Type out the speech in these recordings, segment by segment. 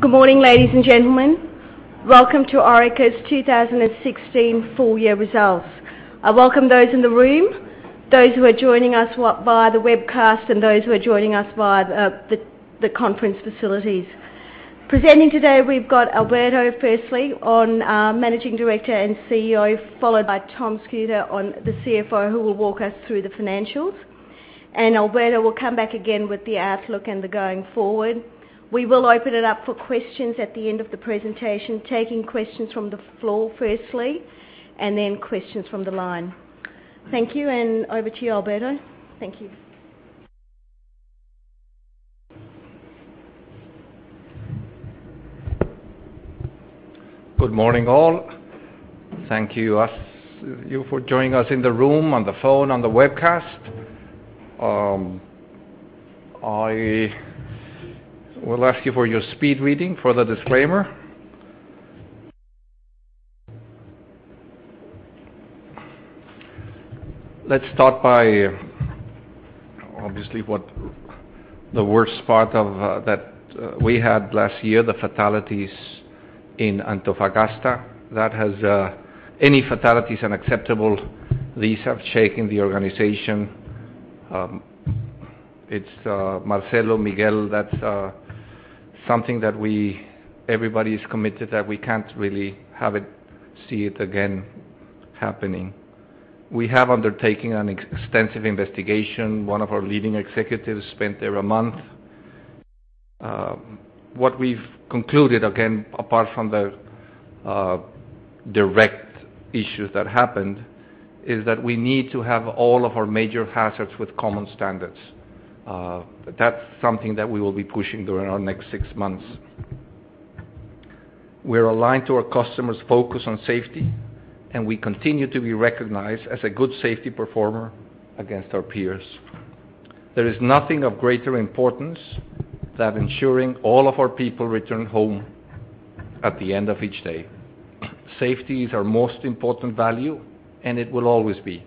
Good morning, ladies and gentlemen. Welcome to Orica's 2016 full year results. I welcome those in the room, those who are joining us via the webcast, and those who are joining us via the conference facilities. Presenting today, we've got Alberto, firstly, on Managing Director and CEO, followed by Thomas Schutte on the CFO, who will walk us through the financials. Alberto will come back again with the outlook and the going forward. We will open it up for questions at the end of the presentation, taking questions from the floor firstly, and then questions from the line. Thank you, and over to you, Alberto. Thank you. Good morning, all. Thank you for joining us in the room, on the phone, on the webcast. I will ask you for your speed reading for the disclaimer. Let's start by obviously what the worst part of that we had last year, the fatalities in Antofagasta. Any fatality is unacceptable. These have shaken the organization. It's Marcelo Miguel, that's something that everybody's committed that we can't really have it, see it again happening. We have undertaken an extensive investigation. One of our leading executives spent there a month. What we've concluded, again, apart from the direct issues that happened, is that we need to have all of our major hazards with common standards. That's something that we will be pushing during our next six months. We're aligned to our customers' focus on safety, and we continue to be recognized as a good safety performer against our peers. There is nothing of greater importance than ensuring all of our people return home at the end of each day. Safety is our most important value, and it will always be.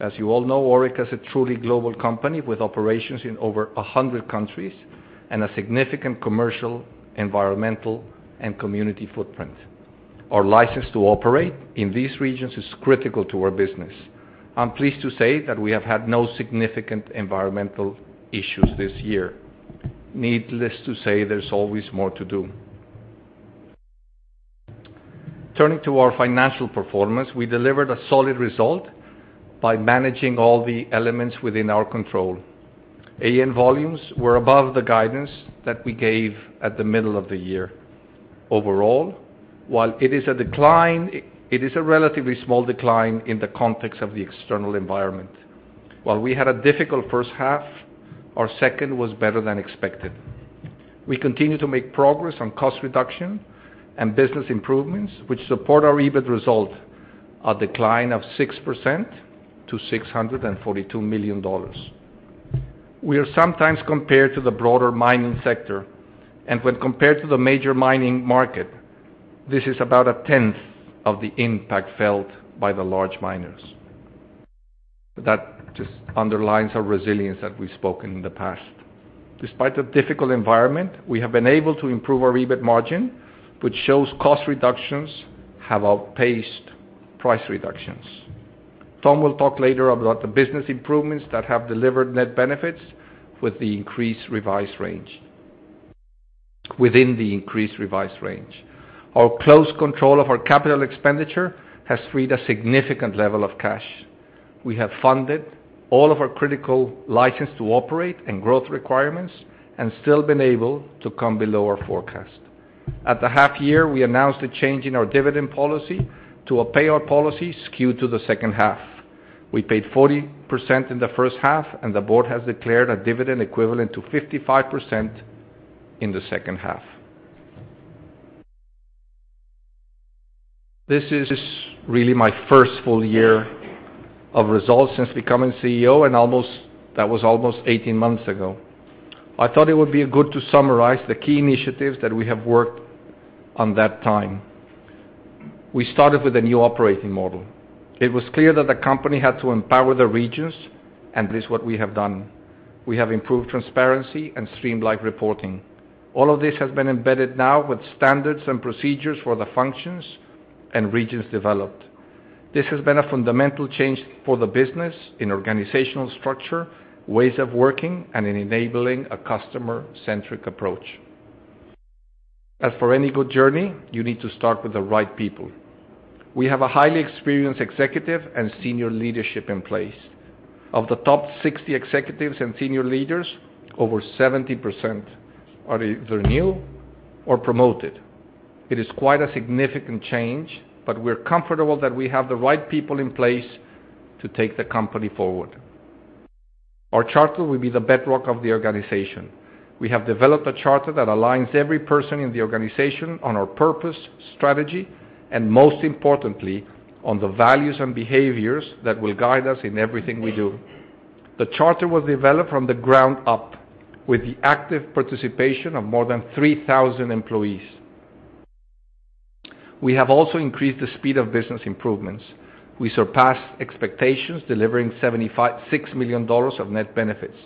As you all know, Orica is a truly global company with operations in over 100 countries and a significant commercial, environmental, and community footprint. Our license to operate in these regions is critical to our business. I'm pleased to say that we have had no significant environmental issues this year. Needless to say, there's always more to do. Turning to our financial performance, we delivered a solid result by managing all the elements within our control. AN volumes were above the guidance that we gave at the middle of the year. Overall, while it is a decline, it is a relatively small decline in the context of the external environment. While we had a difficult first half, our second was better than expected. We continue to make progress on cost reduction and business improvements, which support our EBIT result, a decline of 6% to 642 million dollars. We are sometimes compared to the broader mining sector, and when compared to the major mining market, this is about a tenth of the impact felt by the large miners. That just underlines our resilience that we've spoken in the past. Despite the difficult environment, we have been able to improve our EBIT margin, which shows cost reductions have outpaced price reductions. Tom will talk later about the business improvements that have delivered net benefits within the increased revised range. Our close control of our capital expenditure has freed a significant level of cash. We have funded all of our critical license to operate and growth requirements and still been able to come below our forecast. At the half year, we announced a change in our dividend policy to a payout policy skewed to the second half. We paid 40% in the first half, and the board has declared a dividend equivalent to 55% in the second half. This is really my first full year of results since becoming CEO, and that was almost 18 months ago. I thought it would be good to summarize the key initiatives that we have worked on that time. We started with a new operating model. It was clear that the company had to empower the regions. This is what we have done. We have improved transparency and streamlined reporting. All of this has been embedded now with standards and procedures for the functions and regions developed. This has been a fundamental change for the business in organizational structure, ways of working, and in enabling a customer-centric approach. As for any good journey, you need to start with the right people. We have a highly experienced executive and senior leadership in place. Of the top 60 executives and senior leaders, over 70% are either new or promoted. It is quite a significant change. We're comfortable that we have the right people in place to take the company forward. Our charter will be the bedrock of the organization. We have developed a charter that aligns every person in the organization on our purpose, strategy, and most importantly, on the values and behaviors that will guide us in everything we do. The charter was developed from the ground up with the active participation of more than 3,000 employees. We have also increased the speed of business improvements. We surpassed expectations, delivering 76 million dollars of net benefits.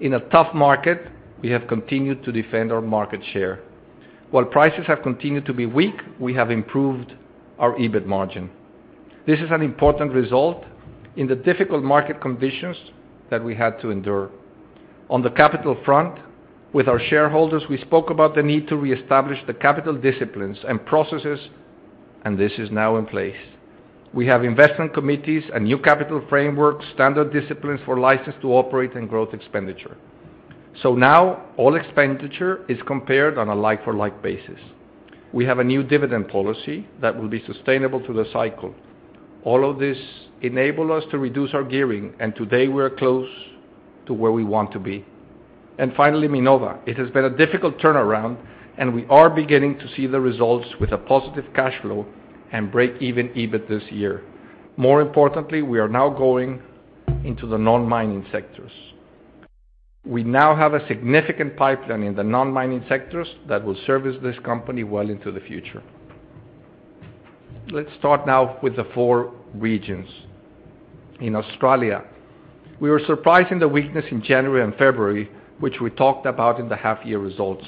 In a tough market, we have continued to defend our market share. While prices have continued to be weak, we have improved our EBIT margin. This is an important result in the difficult market conditions that we had to endure. On the capital front, with our shareholders, we spoke about the need to reestablish the capital disciplines and processes. This is now in place. We have investment committees, a new capital framework, standard disciplines for license to operate and growth expenditure. Now all expenditure is compared on a like-for-like basis. We have a new dividend policy that will be sustainable through the cycle. All of this enable us to reduce our gearing, and today we are close to where we want to be. Finally, Minova. It has been a difficult turnaround. We are beginning to see the results with a positive cash flow and break-even EBIT this year. More importantly, we are now going into the non-mining sectors. We now have a significant pipeline in the non-mining sectors that will service this company well into the future. Let's start now with the four regions. In Australia, we were surprised in the weakness in January and February, which we talked about in the half-year results.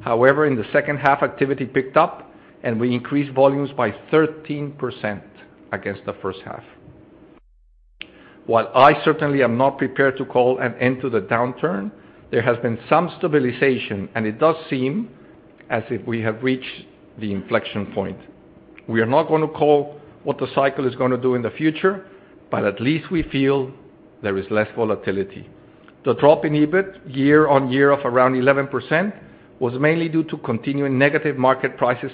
However, in the second half, activity picked up. We increased volumes by 13% against the first half. While I certainly am not prepared to call an end to the downturn, there has been some stabilization. It does seem as if we have reached the inflection point. We are not going to call what the cycle is going to do in the future, but at least we feel there is less volatility. The drop in EBIT year-over-year of around 11% was mainly due to continuing negative market prices,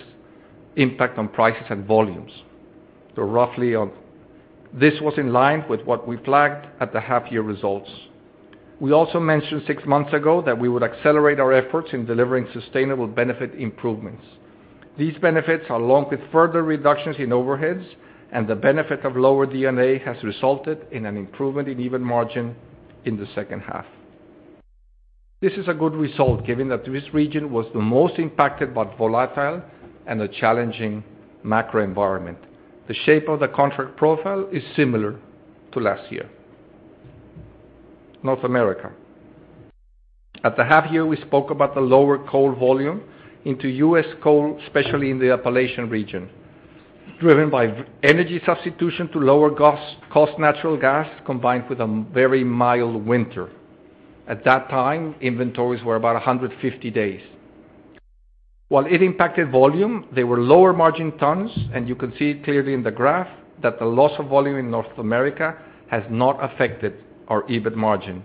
impact on prices and volumes. This was in line with what we flagged at the half-year results. We also mentioned six months ago that we would accelerate our efforts in delivering sustainable benefit improvements. These benefits, along with further reductions in overheads and the benefit of lower D&A, has resulted in an improvement in EBIT margin in the second half. This is a good result given that this region was the most impacted by volatile and a challenging macro environment. The shape of the contract profile is similar to last year. North America. At the half year, we spoke about the lower coal volume into U.S. coal, especially in the Appalachian region, driven by energy substitution to lower cost natural gas, combined with a very mild winter. At that time, inventories were about 150 days. While it impacted volume, they were lower margin tons, and you can see it clearly in the graph that the loss of volume in North America has not affected our EBIT margin.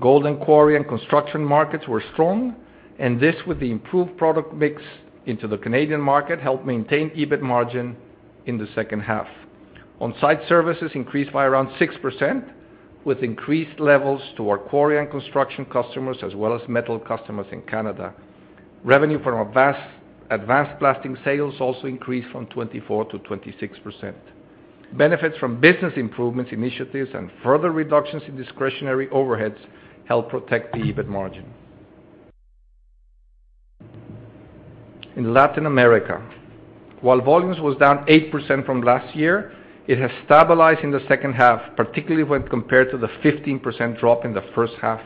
Gold and quarry and construction markets were strong, and this with the improved product mix into the Canadian market, helped maintain EBIT margin in the second half. Onsite services increased by around 6%, with increased levels to our quarry and construction customers, as well as metal customers in Canada. Revenue from our advanced blasting sales also increased from 24%-26%. Benefits from business improvements initiatives and further reductions in discretionary overheads helped protect the EBIT margin. In Latin America, while volumes was down 8% from last year, it has stabilized in the second half, particularly when compared to the 15% drop in the first half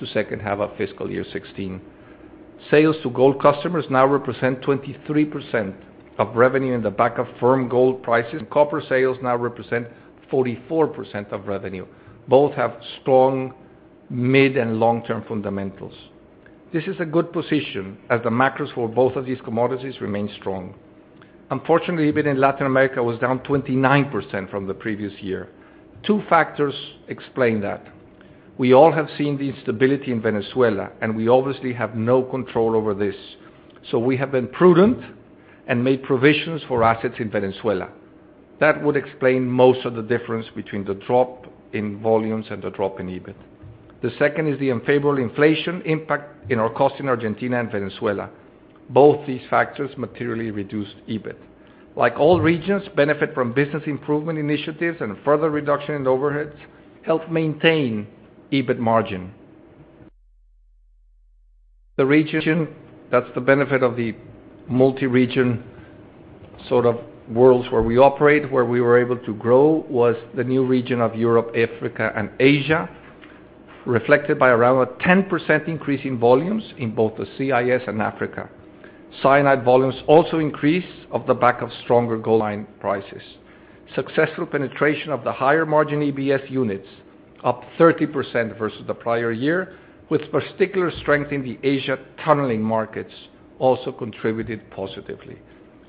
to second half of fiscal year 2016. Sales to gold customers now represent 23% of revenue on the back of firm gold prices. Copper sales now represent 44% of revenue. Both have strong mid and long-term fundamentals. This is a good position as the macros for both of these commodities remain strong. Unfortunately, EBIT in Latin America was down 29% from the previous year. Two factors explain that. We all have seen the instability in Venezuela, and we obviously have no control over this. We have been prudent and made provisions for assets in Venezuela. That would explain most of the difference between the drop in volumes and the drop in EBIT. The second is the unfavorable inflation impact in our cost in Argentina and Venezuela. Both these factors materially reduced EBIT. Like all regions, benefit from business improvement initiatives and further reduction in overheads helped maintain EBIT margin. The region that's the benefit of the multi-region sort of worlds where we operate, where we were able to grow, was the new region of Europe, Africa and Asia, reflected by around a 10% increase in volumes in both the CIS and Africa. Cyanide volumes also increased off the back of stronger gold mine prices. Successful penetration of the higher margin EBS units up 30% versus the prior year, with particular strength in the Asia tunneling markets, also contributed positively.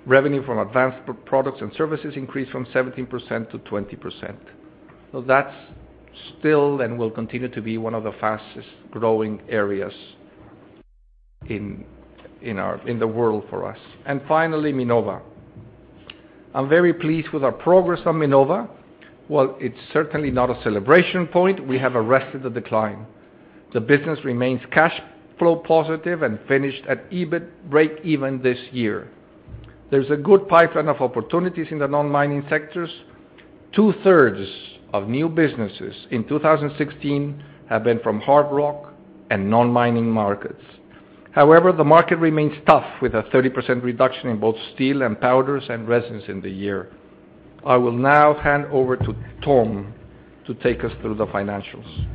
Revenue from advanced products and services increased from 17%-20%. That's still and will continue to be one of the fastest-growing areas in the world for us. Finally, Minova. I'm very pleased with our progress on Minova. While it's certainly not a celebration point, we have arrested the decline. The business remains cash flow positive and finished at EBIT break even this year. There's a good pipeline of opportunities in the non-mining sectors. Two-thirds of new businesses in 2016 have been from hard rock and non-mining markets. However, the market remains tough with a 30% reduction in both steel and powders and resins in the year. I will now hand over to Tom to take us through the financials.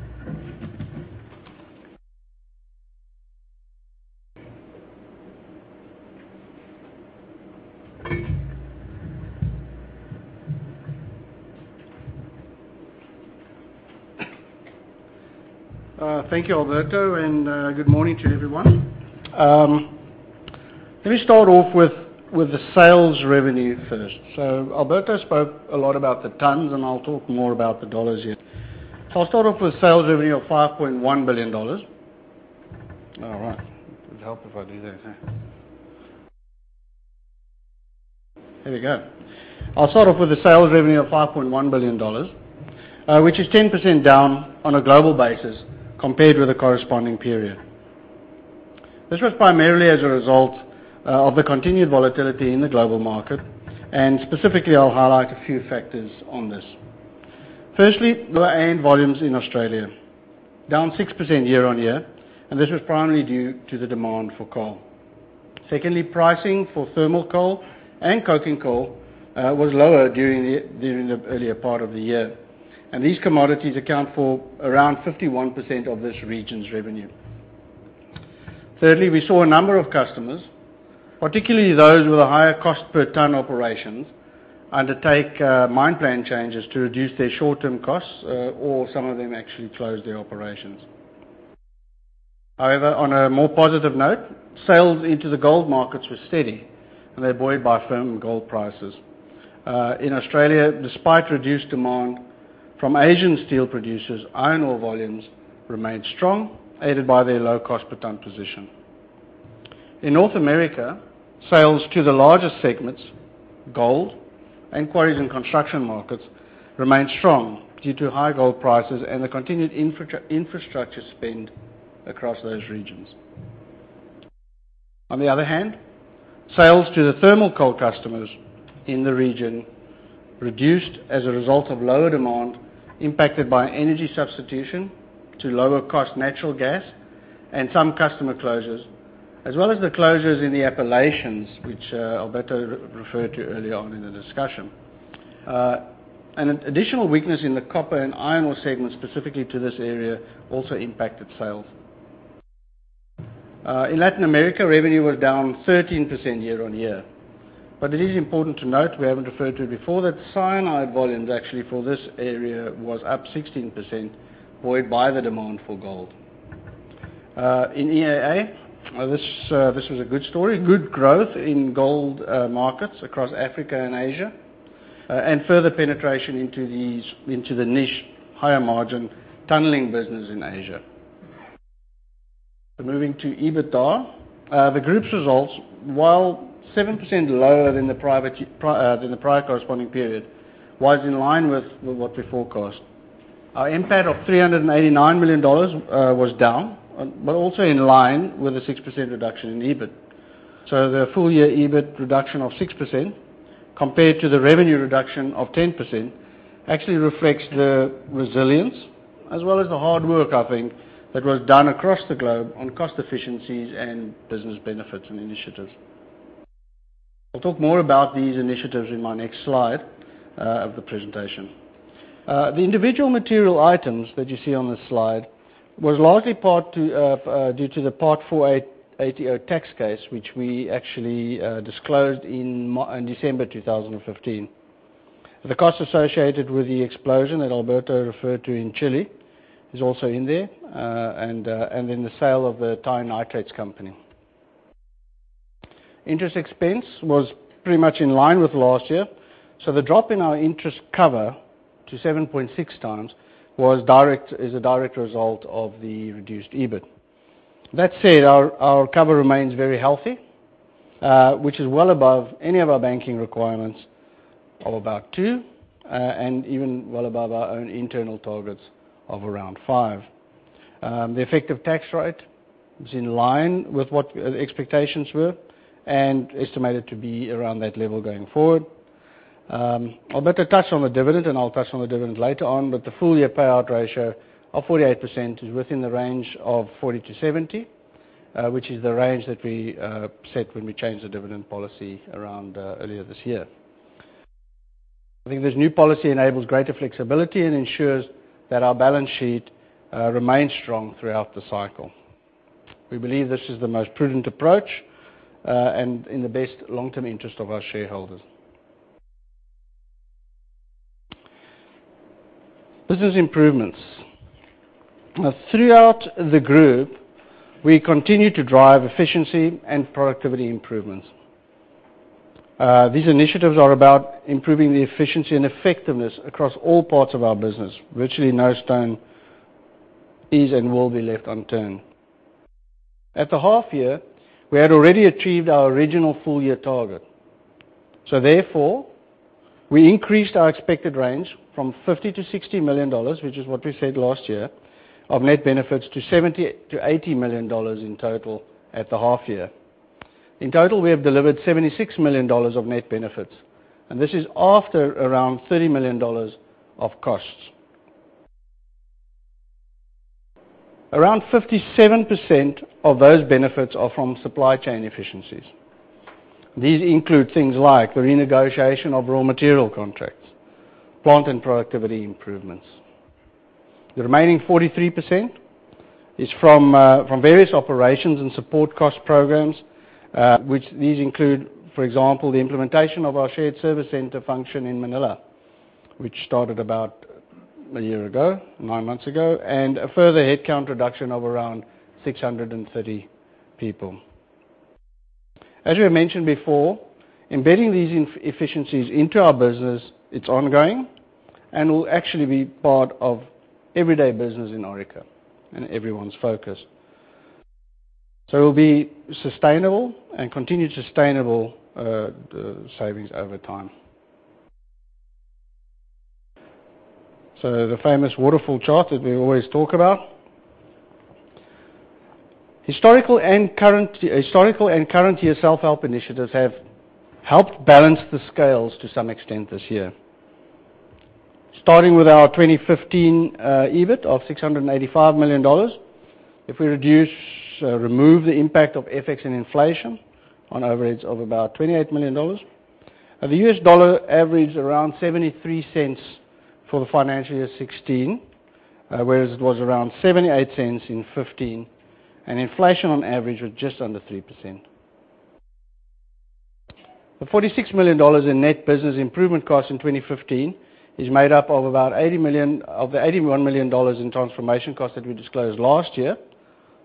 Thank you, Alberto, and good morning to everyone. Let me start off with the sales revenue first. Alberto spoke a lot about the tons, and I'll talk more about the AUD here. I'll start off with sales revenue of 5.1 billion dollars. All right. It would help if I do that. There we go. I'll start off with the sales revenue of 5.1 billion dollars, which is 10% down on a global basis compared with the corresponding period. This was primarily as a result of the continued volatility in the global market, and specifically, I'll highlight a few factors on this. Firstly, lower iron volumes in Australia, down 6% year-on-year, and this was primarily due to the demand for coal. Secondly, pricing for thermal coal and coking coal was lower during the earlier part of the year. These commodities account for around 51% of this region's revenue. Thirdly, we saw a number of customers, particularly those with a higher cost per ton operations, undertake mine plan changes to reduce their short-term costs, or some of them actually closed their operations. However, on a more positive note, sales into the gold markets were steady, and they're buoyed by firm gold prices. In Australia, despite reduced demand from Asian steel producers, iron ore volumes remained strong, aided by their low cost per ton position. In North America, sales to the largest segments, gold and quarries and construction markets, remained strong due to high gold prices and the continued infrastructure spend across those regions. On the other hand, sales to the thermal coal customers in the region reduced as a result of lower demand impacted by energy substitution to lower cost natural gas and some customer closures, as well as the closures in the Appalachians, which Alberto referred to early on in the discussion. Additional weakness in the copper and iron ore segment specifically to this area also impacted sales. In Latin America, revenue was down 13% year-on-year. But it is important to note, we haven't referred to it before, that cyanide volumes actually for this area was up 16%, buoyed by the demand for gold. In EAA, this was a good story. Good growth in gold markets across Africa and Asia, and further penetration into the niche higher margin tunneling business in Asia. Moving to EBITDA. The group's results, while 7% lower than the prior corresponding period, was in line with what we forecast. Our NPAT of 389 million dollars was down, but also in line with a 6% reduction in EBIT. The full-year EBIT reduction of 6% compared to the revenue reduction of 10% actually reflects the resilience as well as the hard work, I think, that was done across the globe on cost efficiencies and business benefits and initiatives. I will talk more about these initiatives in my next slide of the presentation. The individual material items that you see on this slide was largely due to the Part IVA ATO tax case, which we actually disclosed in December 2015. The cost associated with the explosion that Alberto referred to in Chile is also in there, and the sale of the Thai nitrates company. Interest expense was pretty much in line with last year. The drop in our interest cover to 7.6 times is a direct result of the reduced EBIT. That said, our cover remains very healthy, which is well above any of our banking requirements of about two, and even well above our own internal targets of around five. The effective tax rate is in line with what expectations were and estimated to be around that level going forward. Alberto touched on the dividend, and I will touch on the dividend later on, but the full-year payout ratio of 48% is within the range of 40%-70%, which is the range that we set when we changed the dividend policy around earlier this year. I think this new policy enables greater flexibility and ensures that our balance sheet remains strong throughout the cycle. We believe this is the most prudent approach and in the best long-term interest of our shareholders. Business improvements. Throughout the group, we continue to drive efficiency and productivity improvements. These initiatives are about improving the efficiency and effectiveness across all parts of our business. Virtually no stone is and will be left unturned. At the half year, we had already achieved our original full-year target. Therefore, we increased our expected range from 50 million-60 million dollars, which is what we said last year, of net benefits to 70 million-80 million dollars in total at the half year. In total, we have delivered 76 million dollars of net benefits, and this is after around 30 million dollars of costs. Around 57% of those benefits are from supply chain efficiencies. These include things like the renegotiation of raw material contracts, plant and productivity improvements. The remaining 43% is from various operations and support cost programs. These include, for example, the implementation of our shared service center function in Manila, which started about a year ago, nine months ago, and a further headcount reduction of around 630 people. As we have mentioned before, embedding these efficiencies into our business, it is ongoing and will actually be part of everyday business in Orica and everyone's focus. It will be sustainable and continue sustainable savings over time. The famous waterfall chart that we always talk about. Historical and current year self-help initiatives have helped balance the scales to some extent this year. Starting with our 2015 EBIT of 685 million dollars, if we remove the impact of FX and inflation on average of about 28 million dollars, the US dollar averaged around $0.73 for the financial year 2016, whereas it was around $0.78 in 2015, and inflation on average was just under 3%. The 46 million dollars in net business improvement costs in 2015 is made up of about the 81 million dollars in transformation costs that we disclosed last year,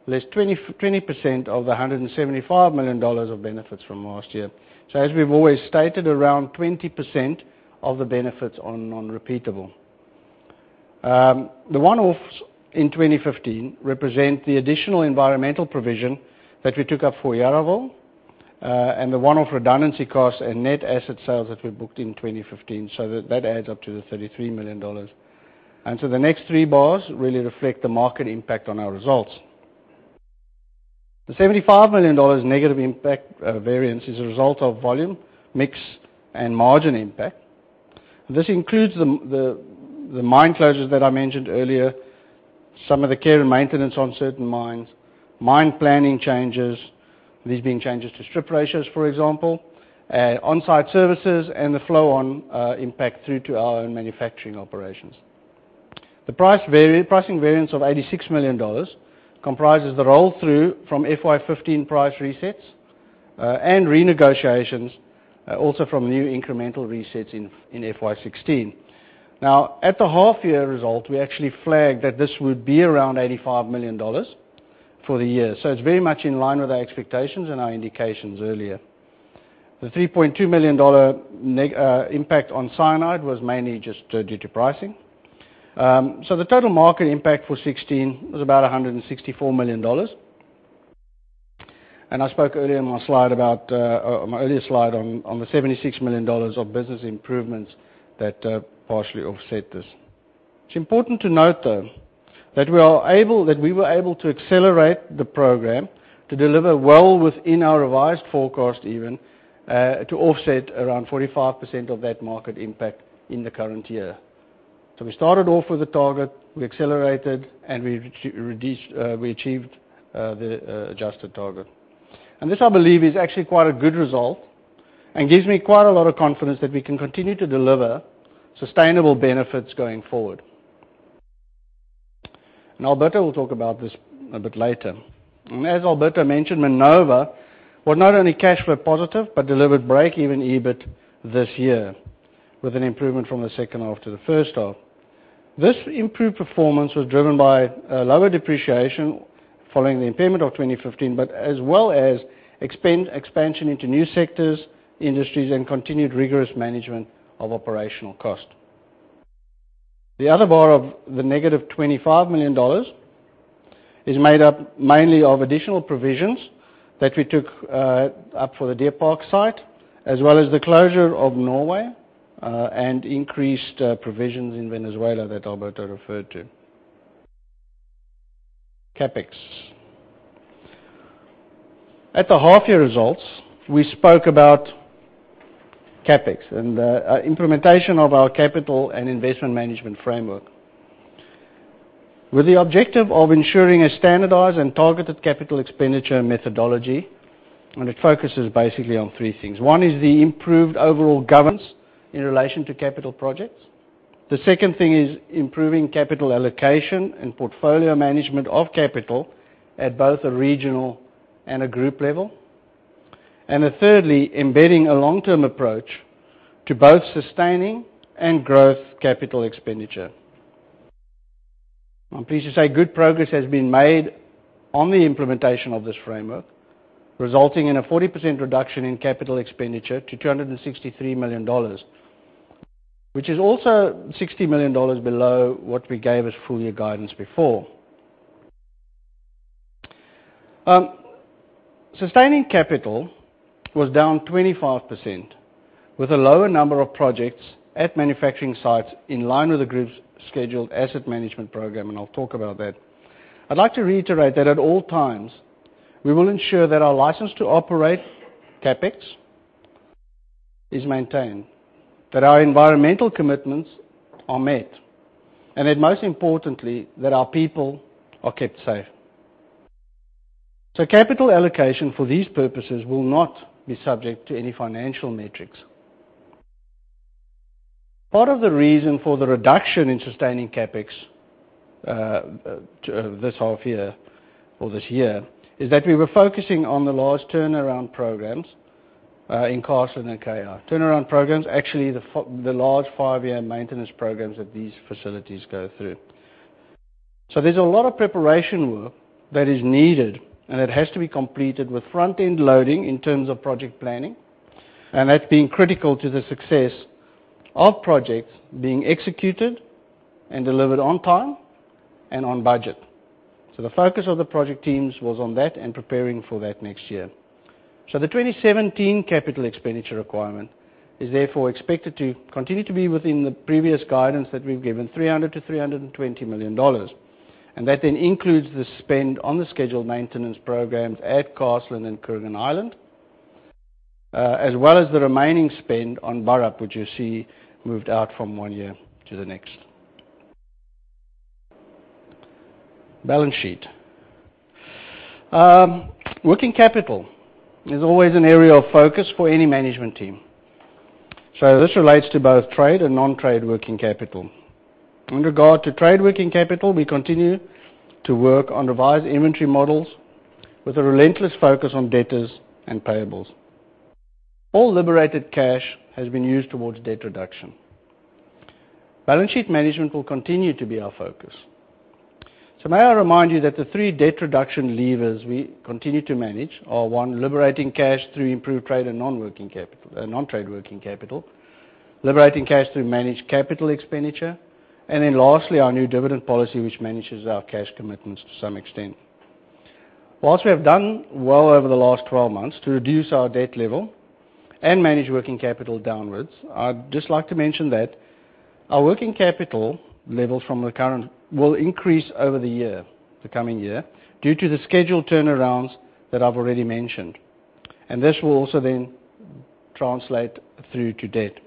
less 20% of the 175 million dollars of benefits from last year. As we've always stated, around 20% of the benefits are non-repeatable. The one-offs in 2015 represent the additional environmental provision that we took up for Yarraville, and the one-off redundancy costs and net asset sales that we booked in 2015. That adds up to the 33 million dollars. The next three bars really reflect the market impact on our results. The 75 million dollars negative impact variance is a result of volume, mix, and margin impact. This includes the mine closures that I mentioned earlier, some of the care and maintenance on certain mines, mine planning changes, these being changes to strip ratios, for example, on-site services, and the flow-on impact through to our own manufacturing operations. The pricing variance of 86 million dollars comprises the roll-through from FY 2015 price resets and renegotiations also from new incremental resets in FY 2016. At the half-year result, we actually flagged that this would be around 85 million dollars for the year. It's very much in line with our expectations and our indications earlier. The 3.2 million dollar impact on cyanide was mainly just due to pricing. The total market impact for 2016 was about 164 million dollars. I spoke earlier on my earlier slide on the 76 million dollars of business improvements that partially offset this. It's important to note, though, that we were able to accelerate the program to deliver well within our revised forecast even, to offset around 45% of that market impact in the current year. We started off with a target, we accelerated, and we achieved the adjusted target. This, I believe, is actually quite a good result and gives me quite a lot of confidence that we can continue to deliver sustainable benefits going forward. Alberto will talk about this a bit later. As Alberto mentioned, Minova was not only cash flow positive, but delivered break-even EBIT this year with an improvement from the second half to the first half. This improved performance was driven by a lower depreciation following the impairment of 2015, but as well as expansion into new sectors, industries, and continued rigorous management of operational cost. The other bar of the negative 25 million dollars is made up mainly of additional provisions that we took up for the Deer Park site, as well as the closure of Norway and increased provisions in Venezuela that Alberto referred to. CapEx. At the half-year results, we spoke about CapEx and our implementation of our capital and investment management framework. With the objective of ensuring a standardized and targeted capital expenditure methodology. It focuses basically on three things. One is the improved overall governance in relation to capital projects. The second thing is improving capital allocation and portfolio management of capital at both a regional and a group level. Thirdly, embedding a long-term approach to both sustaining and growth capital expenditure. I'm pleased to say good progress has been made on the implementation of this framework, resulting in a 40% reduction in capital expenditure to 263 million dollars, which is also 60 million dollars below what we gave as full-year guidance before. Sustaining capital was down 25%. With a lower number of projects at manufacturing sites in line with the group's scheduled asset management program, and I'll talk about that. I'd like to reiterate that at all times, we will ensure that our license to operate CapEx is maintained, that our environmental commitments are met, and that most importantly, that our people are kept safe. Capital allocation for these purposes will not be subject to any financial metrics. Part of the reason for the reduction in sustaining CapEx this half year or this year is that we were focusing on the large turnaround programs, in Carseland and KI. Turnaround programs, actually the large five-year maintenance programs that these facilities go through. There's a lot of preparation work that is needed, and it has to be completed with front-end loading in terms of project planning, and that's been critical to the success of projects being executed and delivered on time and on budget. The focus of the project teams was on that and preparing for that next year. The 2017 capital expenditure requirement is therefore expected to continue to be within the previous guidance that we've given, 300 million-320 million dollars. That then includes the spend on the scheduled maintenance programs at Carseland and Kooragang Island, as well as the remaining spend on Burrup, which you see moved out from one year to the next. Balance sheet. Working capital is always an area of focus for any management team. This relates to both trade and non-trade working capital. In regard to trade working capital, we continue to work on revised inventory models with a relentless focus on debtors and payables. All liberated cash has been used towards debt reduction. Balance sheet management will continue to be our focus. May I remind you that the three debt reduction levers we continue to manage are, one, liberating cash through improved trade and non-trade working capital, liberating cash through managed capital expenditure, and then lastly, our new dividend policy, which manages our cash commitments to some extent. Whilst we have done well over the last 12 months to reduce our debt level and manage working capital downwards, I'd just like to mention that our working capital levels from the current will increase over the year, the coming year, due to the scheduled turnarounds that I've already mentioned. This will also then translate through to debt.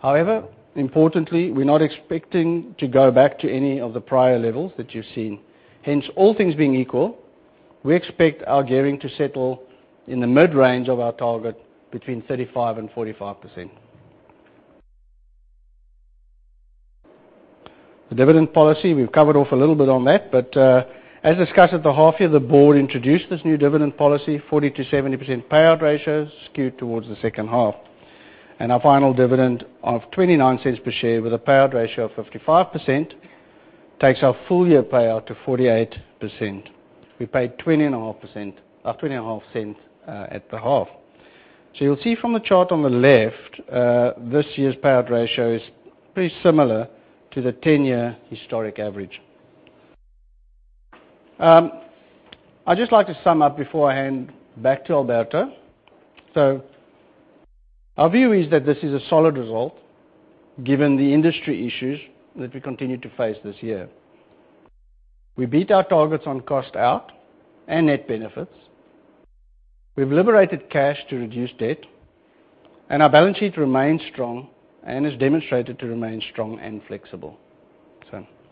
However, importantly, we're not expecting to go back to any of the prior levels that you've seen. Hence, all things being equal, we expect our gearing to settle in the mid-range of our target between 35%-45%. The dividend policy, we've covered off a little bit on that. As discussed at the half year, the board introduced this new dividend policy, 40%-70% payout ratios skewed towards the second half. Our final dividend of 0.29 per share with a payout ratio of 55% takes our full year payout to 48%. We paid 0.205 at the half. You'll see from the chart on the left, this year's payout ratio is pretty similar to the 10-year historic average. I'd just like to sum up beforehand back to Alberto. Our view is that this is a solid result given the industry issues that we continue to face this year. We beat our targets on cost out and net benefits. We’ve liberated cash to reduce debt, and our balance sheet remains strong and is demonstrated to remain strong and flexible.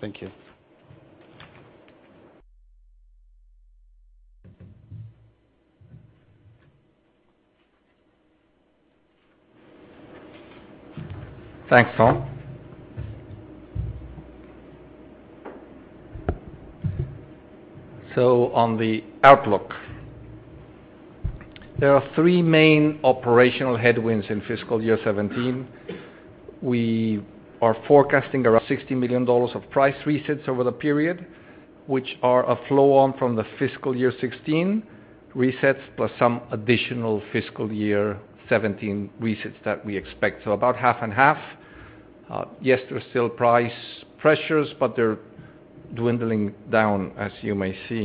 Thank you. Thanks, Tom. On the outlook. There are three main operational headwinds in FY 2017. We are forecasting around 60 million dollars of price resets over the period, which are a flow on from the FY 2016 resets plus some additional FY 2017 resets that we expect. About half and half. Yes, there are still price pressures, but they’re dwindling down as you may see.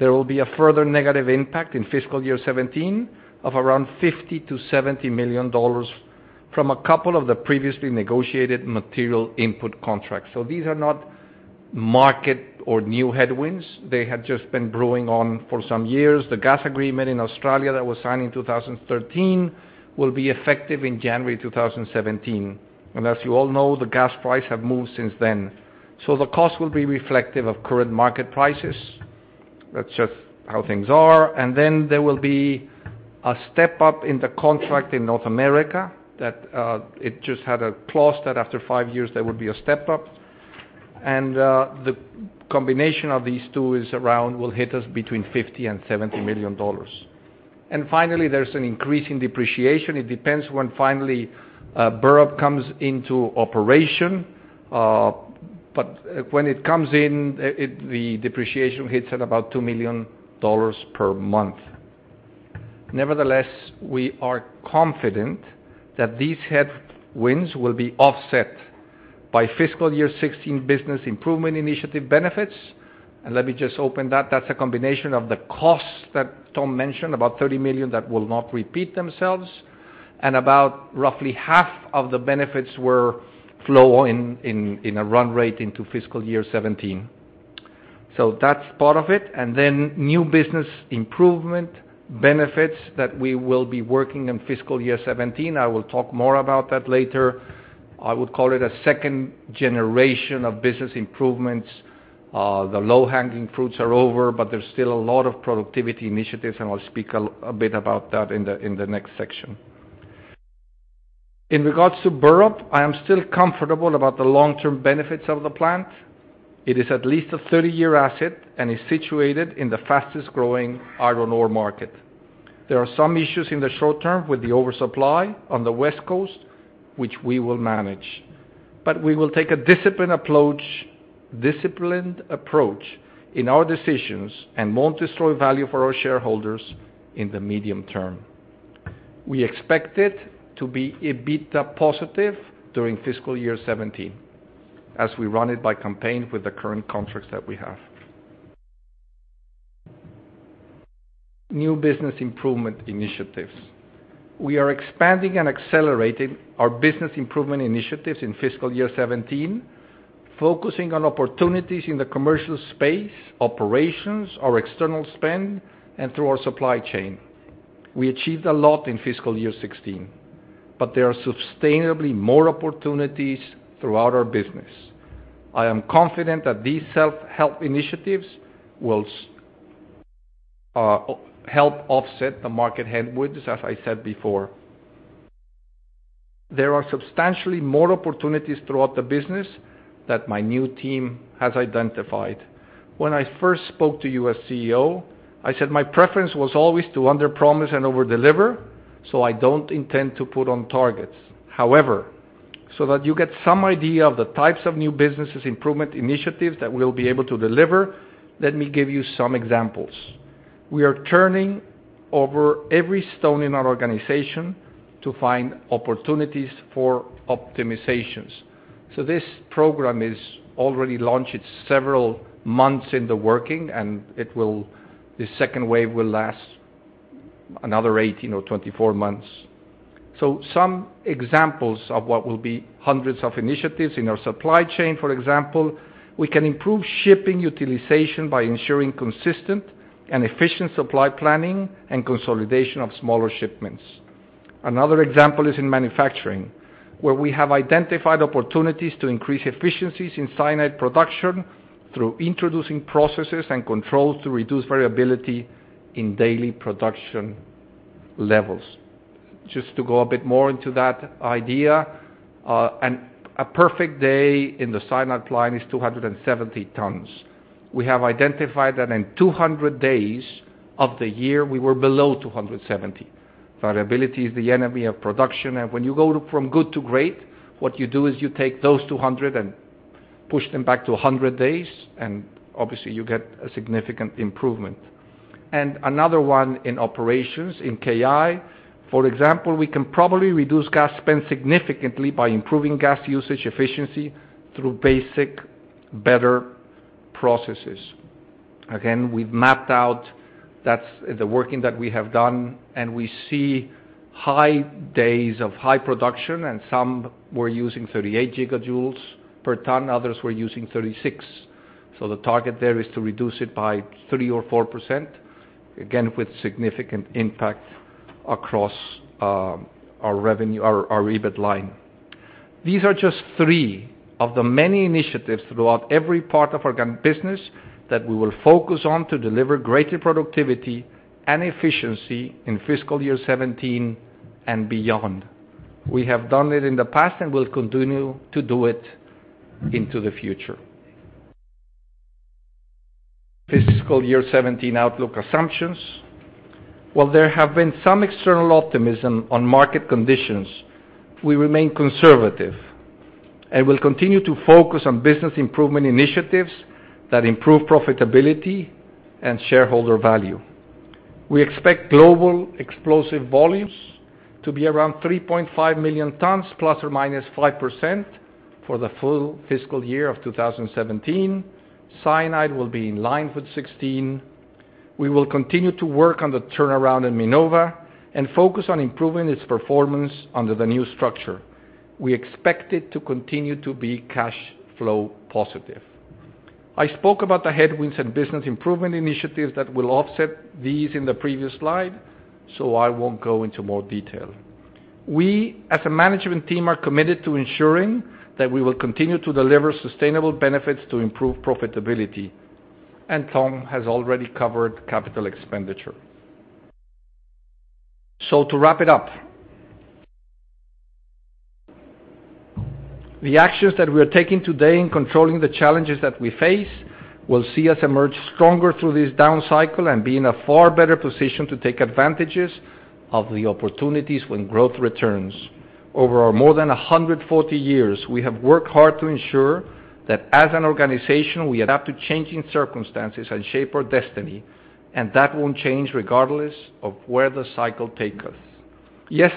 There will be a further negative impact in FY 2017 of around 50 million-70 million dollars from a couple of the previously negotiated material input contracts. These are not market or new headwinds. They had just been brewing on for some years. The gas agreement in Australia that was signed in 2013 will be effective in January 2017. As you all know, the gas price have moved since then. The cost will be reflective of current market prices. That’s just how things are. Then there will be a step-up in the contract in North America that, it just had a clause that after five years, there would be a step-up. The combination of these two is around will hit us between 50 million and 70 million dollars. Finally, there’s an increase in depreciation. It depends when finally Burrup comes into operation. But when it comes in, the depreciation hits at about 2 million dollars per month. Nevertheless, we are confident that these headwinds will be offset by FY 2016 business improvement initiative benefits, and let me just open that’s a combination of the costs that Tom mentioned, about 30 million that will not repeat themselves, and about roughly half of the benefits were flow in a run rate into FY 2017. That’s part of it. Then new business improvement benefits that we will be working in FY 2017, I will talk more about that later. I would call it a second generation of business improvements. The low-hanging fruits are over, but there’s still a lot of productivity initiatives, and I’ll speak a bit about that in the next section. In regards to Burrup, I am still comfortable about the long-term benefits of the plant. It is at least a 30-year asset and is situated in the fastest-growing iron ore market. There are some issues in the short term with the oversupply on the West Coast, which we will manage. We will take a disciplined approach in our decisions and won’t destroy value for our shareholders in the medium term. We expect it to be EBITDA positive during fiscal year 2017, as we run it by campaign with the current contracts that we have. New business improvement initiatives. We are expanding and accelerating our business improvement initiatives in fiscal year 2017, focusing on opportunities in the commercial space, operations, our external spend, and through our supply chain. We achieved a lot in fiscal year 2016, but there are sustainably more opportunities throughout our business. I am confident that these self-help initiatives will help offset the market headwinds, as I said before. There are substantially more opportunities throughout the business that my new team has identified. When I first spoke to you as CEO, I said my preference was always to underpromise and overdeliver. I don't intend to put on targets. However, that you get some idea of the types of new businesses improvement initiatives that we'll be able to deliver, let me give you some examples. We are turning over every stone in our organization to find opportunities for optimizations. This program is already launched. It's several months in the working, and the second wave will last another 18 or 24 months. Some examples of what will be hundreds of initiatives in our supply chain, for example, we can improve shipping utilization by ensuring consistent and efficient supply planning and consolidation of smaller shipments. Another example is in manufacturing, where we have identified opportunities to increase efficiencies in cyanide production through introducing processes and controls to reduce variability in daily production levels. Just to go a bit more into that idea, a perfect day in the cyanide line is 270 tons. We have identified that in 200 days of the year, we were below 270. Variability is the enemy of production, and when you go from good to great, what you do is you take those 200 and push them back to 100 days, and obviously you get a significant improvement. Another one in operations in KI, for example, we can probably reduce gas spend significantly by improving gas usage efficiency through basic better processes. Again, we've mapped out the working that we have done, and we see high days of high production, and some were using 38 gigajoules per ton, others were using 36. The target there is to reduce it by 3% or 4%, again, with significant impact across our EBIT line. These are just three of the many initiatives throughout every part of our business that we will focus on to deliver greater productivity and efficiency in fiscal year 2017 and beyond. We have done it in the past and will continue to do it into the future. Fiscal year 2017 outlook assumptions. While there have been some external optimism on market conditions, we remain conservative and will continue to focus on business improvement initiatives that improve profitability and shareholder value. We expect global explosive volumes to be around 3.5 million tons ±5% for the full fiscal year of 2017. Cyanide will be in line with 2016. We will continue to work on the turnaround in Minova and focus on improving its performance under the new structure. We expect it to continue to be cash flow positive. I spoke about the headwinds and business improvement initiatives that will offset these in the previous slide, so I won't go into more detail. We, as a management team, are committed to ensuring that we will continue to deliver sustainable benefits to improve profitability, and Tom has already covered capital expenditure. To wrap it up, the actions that we are taking today in controlling the challenges that we face will see us emerge stronger through this down cycle and be in a far better position to take advantages of the opportunities when growth returns. Over our more than 140 years, we have worked hard to ensure that as an organization, we adapt to changing circumstances and shape our destiny, and that won't change regardless of where the cycle takes us.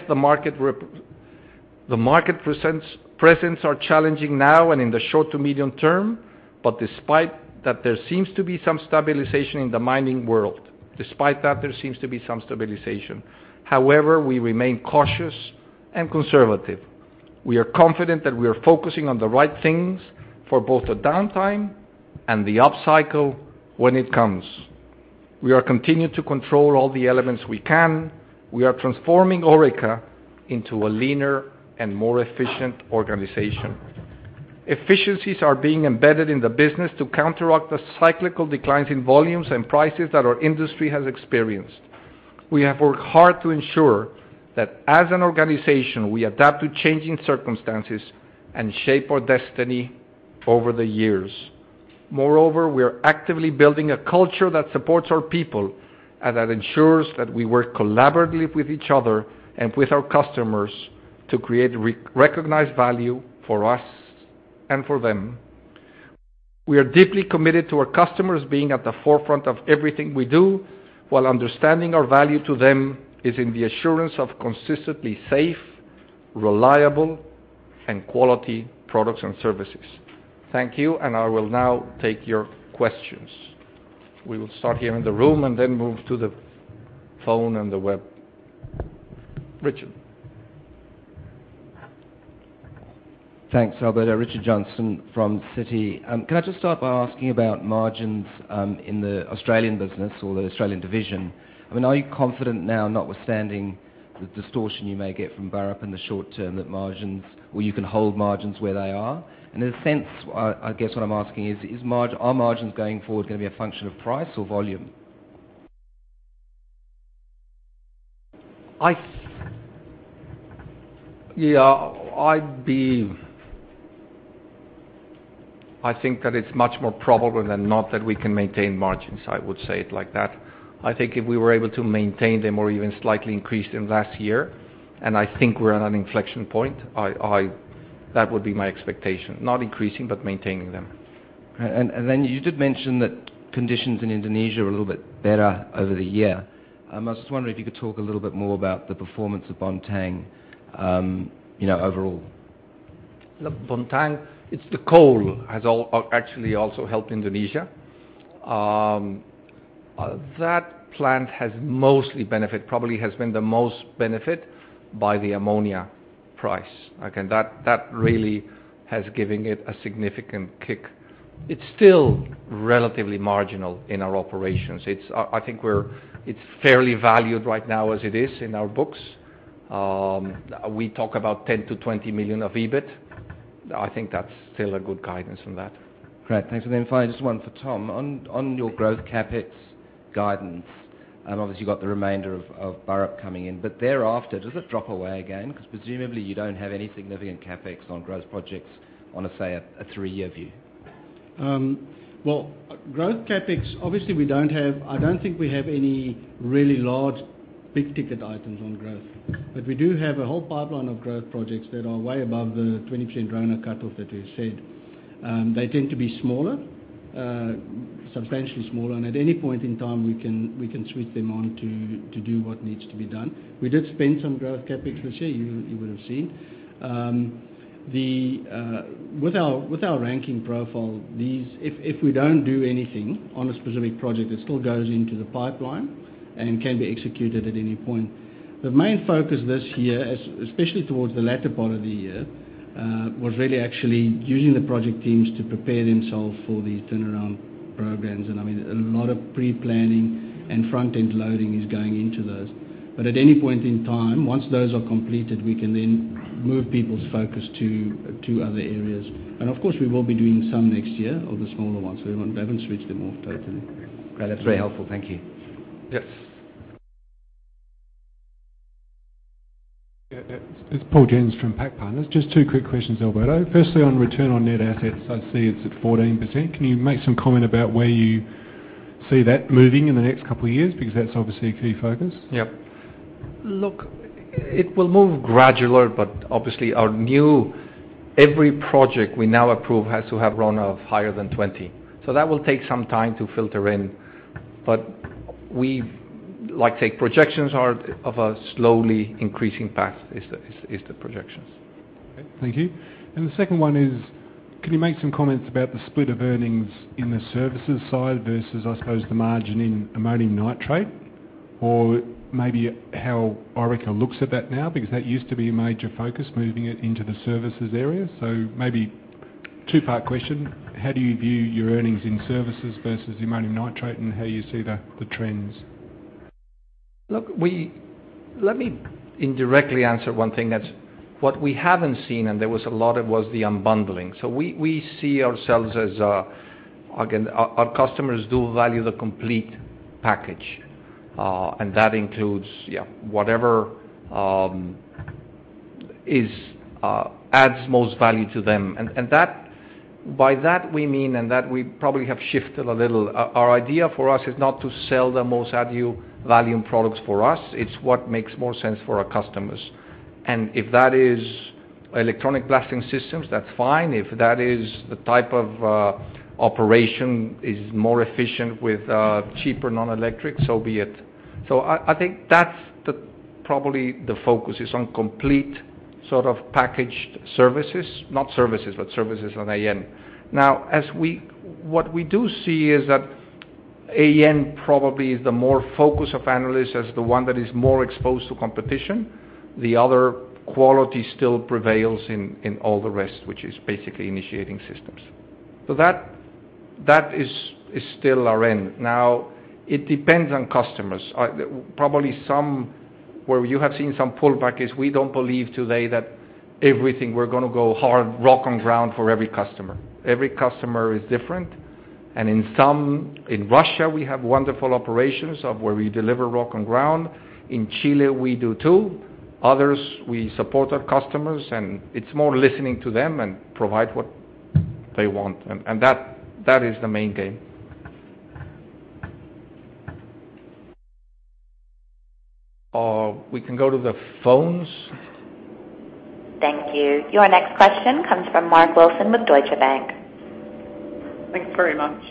The market pressures are challenging now and in the short to medium term. Despite that, there seems to be some stabilization in the mining world. Despite that, there seems to be some stabilization. However, we remain cautious and conservative. We are confident that we are focusing on the right things for both the downtime and the up cycle when it comes. We are continuing to control all the elements we can. We are transforming Orica into a leaner and more efficient organization. Efficiencies are being embedded in the business to counteract the cyclical declines in volumes and prices that our industry has experienced. We have worked hard to ensure that as an organization, we adapt to changing circumstances and shape our destiny over the years. Moreover, we are actively building a culture that supports our people and that ensures that we work collaboratively with each other and with our customers to create recognized value for us and for them. We are deeply committed to our customers being at the forefront of everything we do while understanding our value to them is in the assurance of consistently safe, reliable, and quality products and services. Thank you, and I will now take your questions. We will start here in the room and then move to the phone and the web. Richard. Thanks, Alberto. Richard Johnston from Citi. Can I just start by asking about margins in the Australian business or the Australian division? Are you confident now, notwithstanding the distortion you may get from Burrup in the short term, that you can hold margins where they are? In a sense, I guess what I'm asking is, are margins going forward going to be a function of price or volume? I think that it's much more probable than not that we can maintain margins. I would say it like that. I think if we were able to maintain them or even slightly increase them last year, I think we're at an inflection point. That would be my expectation. Not increasing, but maintaining them. You did mention that conditions in Indonesia are a little bit better over the year. I was just wondering if you could talk a little bit more about the performance of Bontang overall. Bontang, it's the coal has actually also helped Indonesia. That plant probably has been the most benefit by the ammonia price. That really has given it a significant kick. It's still relatively marginal in our operations. I think it's fairly valued right now as it is in our books. We talk about 10 million to 20 million of EBIT. I think that's still a good guidance on that. Great. Thanks. Finally, just one for Tom. On your growth CapEx guidance, obviously you've got the remainder of Burrup coming in, but thereafter, does it drop away again? Because presumably you don't have any significant CapEx on growth projects on, let's say, a three-year view. Growth CapEx, obviously, I don't think we have any really large, big-ticket items on growth. We do have a whole pipeline of growth projects that are way above the 20% runoff cutoff that we've said. They tend to be smaller, substantially smaller, and at any point in time, we can switch them on to do what needs to be done. We did spend some growth CapEx this year, you would have seen. With our ranking profile, if we don't do anything on a specific project, it still goes into the pipeline and can be executed at any point. The main focus this year, especially towards the latter part of the year, was really actually using the project teams to prepare themselves for these turnaround programs. A lot of pre-planning and front-end loading is going into those. At any point in time, once those are completed, we can then move people's focus to other areas. Of course, we will be doing some next year of the smaller ones. We haven't switched them off totally. Great. That's very helpful. Thank you. Yes. It's Paul Jensz from PacPartners. Just two quick questions, Alberto. Firstly, on return on net assets, I see it's at 14%. Can you make some comment about where you see that moving in the next couple of years? Because that's obviously a key focus. Yep. Look, it will move gradually. Obviously every project we now approve has to have run of higher than 20. That will take some time to filter in. Projections are of a slowly increasing path, is the projections. Okay. Thank you. The second one is, can you make some comments about the split of earnings in the services side versus, I suppose, the margin in Ammonium Nitrate? Or maybe how Orica looks at that now, because that used to be a major focus, moving it into the services area. Maybe two-part question. How do you view your earnings in services versus Ammonium Nitrate, and how you see the trends? Let me indirectly answer one thing. What we haven't seen was the unbundling. We see ourselves as our customers do value the complete package. That includes whatever adds most value to them. By that we mean, that we probably have shifted a little. Our idea for us is not to sell the most value products for us, it's what makes more sense for our customers. If that is Electronic Blasting Systems, that's fine. If that is the type of operation is more efficient with cheaper non-electric, so be it. I think that's probably the focus is on complete packaged services, not services, but services on AN. What we do see is that AN probably is the more focus of analysts as the one that is more exposed to competition. The other quality still prevails in all the rest, which is basically Initiating Systems. That is still our end. It depends on customers. Probably some where you have seen some pullback is we don't believe today that we're going to go hard rock on ground for every customer. Every customer is different. In some, in Russia, we have wonderful operations of where we deliver rock on ground. In Chile, we do too. Others, we support our customers, it's more listening to them and provide what they want. That is the main game. We can go to the phones. Thank you. Your next question comes from Mark Wilson with Deutsche Bank. Thanks very much,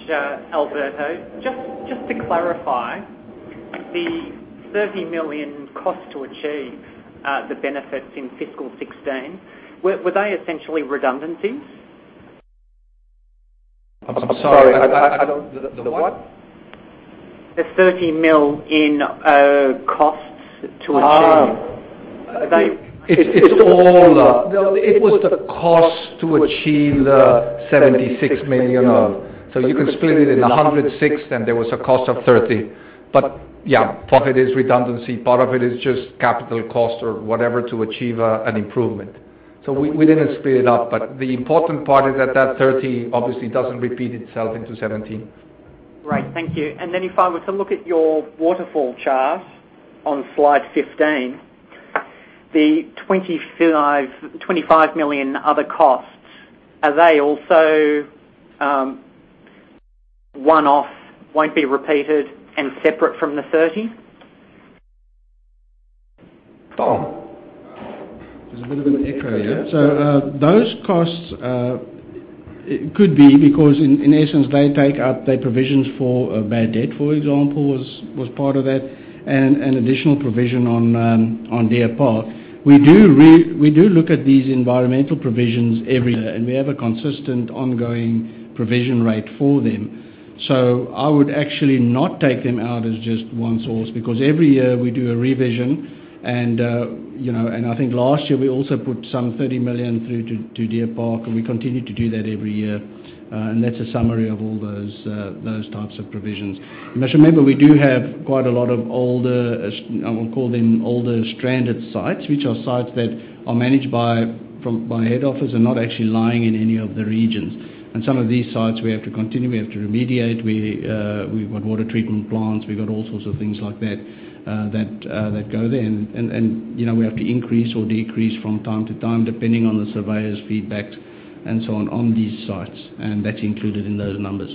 Alberto. Just to clarify, the 30 million cost to achieve the benefits in fiscal 2016, were they essentially redundancies? I'm sorry. The what? The 30 million in costs to achieve. Are they? It's all. No, it was the cost to achieve the 76 million. You can split it in 106 million, then there was a cost of 30 million. Yeah, part it is redundancy. Part of it is just capital cost or whatever to achieve an improvement. We didn't split it up. The important part is that that 30 million obviously doesn't repeat itself into 2017. Great. Thank you. If I were to look at your waterfall chart on slide 15, the 25 million other costs, are they also one-off, won't be repeated, and separate from the 30 million? Tom, there's a bit of an echo, yeah. Those costs could be because, in essence, they take out their provisions for a bad debt, for example, was part of that, and an additional provision on Deer Park. We do look at these environmental provisions every year, and we have a consistent ongoing provision rate for them. I would actually not take them out as just one source, because every year we do a revision and I think last year we also put some 30 million through to Deer Park, and we continue to do that every year. That's a summary of all those types of provisions. You must remember, we do have quite a lot of older, I won't call them older stranded sites, which are sites that are managed by head office and not actually lying in any of the regions. Some of these sites, we have to remediate, we've got water treatment plants, we've got all sorts of things like that go there. We have to increase or decrease from time to time, depending on the surveyor's feedback and so on these sites. That's included in those numbers.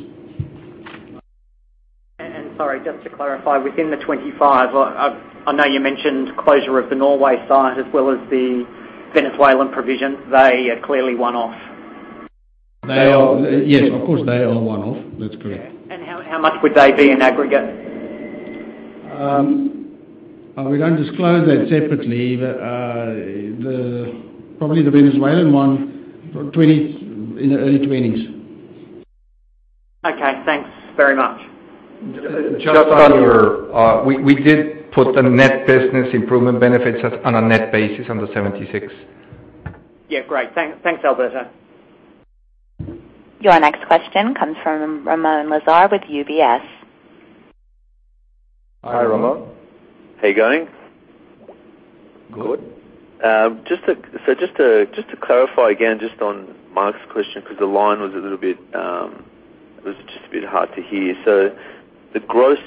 Sorry, just to clarify, within the 25, I know you mentioned closure of the Norway site as well as the Venezuelan provision. They are clearly one-off. Yes, of course, they are one-off. That's correct. Yeah. How much would they be in aggregate? We don't disclose that separately. Probably the Venezuelan one, in the early 20s. Okay, thanks very much. Just under. We did put the net business improvement benefits on a net basis on the 76. Yeah, great. Thanks, Alberto. Your next question comes from Ramoun Lazar with UBS. Hi, Ramoun. How you going? Good. Just to clarify again, just on Mark's question, because the line was just a bit hard to hear. The gross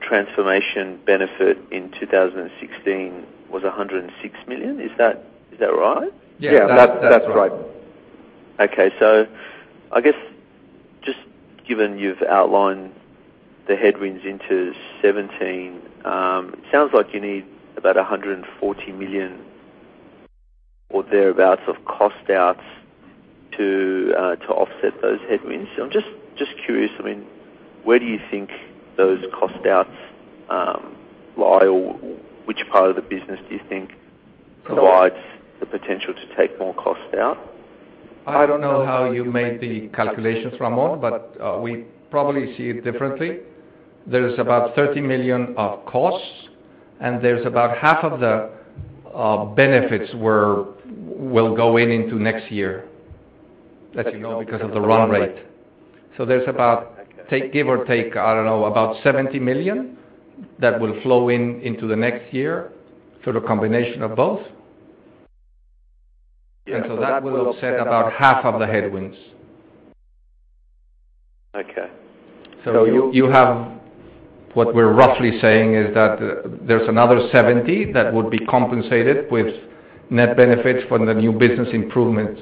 transformation benefit in 2016 was 106 million. Is that right? Yeah, that's right. Okay. I guess just given you've outlined the headwinds into 2017, it sounds like you need about 140 million or thereabouts of cost outs to offset those headwinds. I'm just curious, where do you think those cost outs lie, or which part of the business do you think provides the potential to take more cost out? I don't know how you made the calculations, Ramoun, we probably see it differently. There's about 30 million of costs, and there's about half of the benefits will go into next year, as you know, because of the run rate. There's about, give or take, I don't know, about 70 million that will flow into the next year through a combination of both. That will offset about half of the headwinds. Okay. You have what we're roughly saying is that there's another 70 that would be compensated with net benefits from the new business improvements.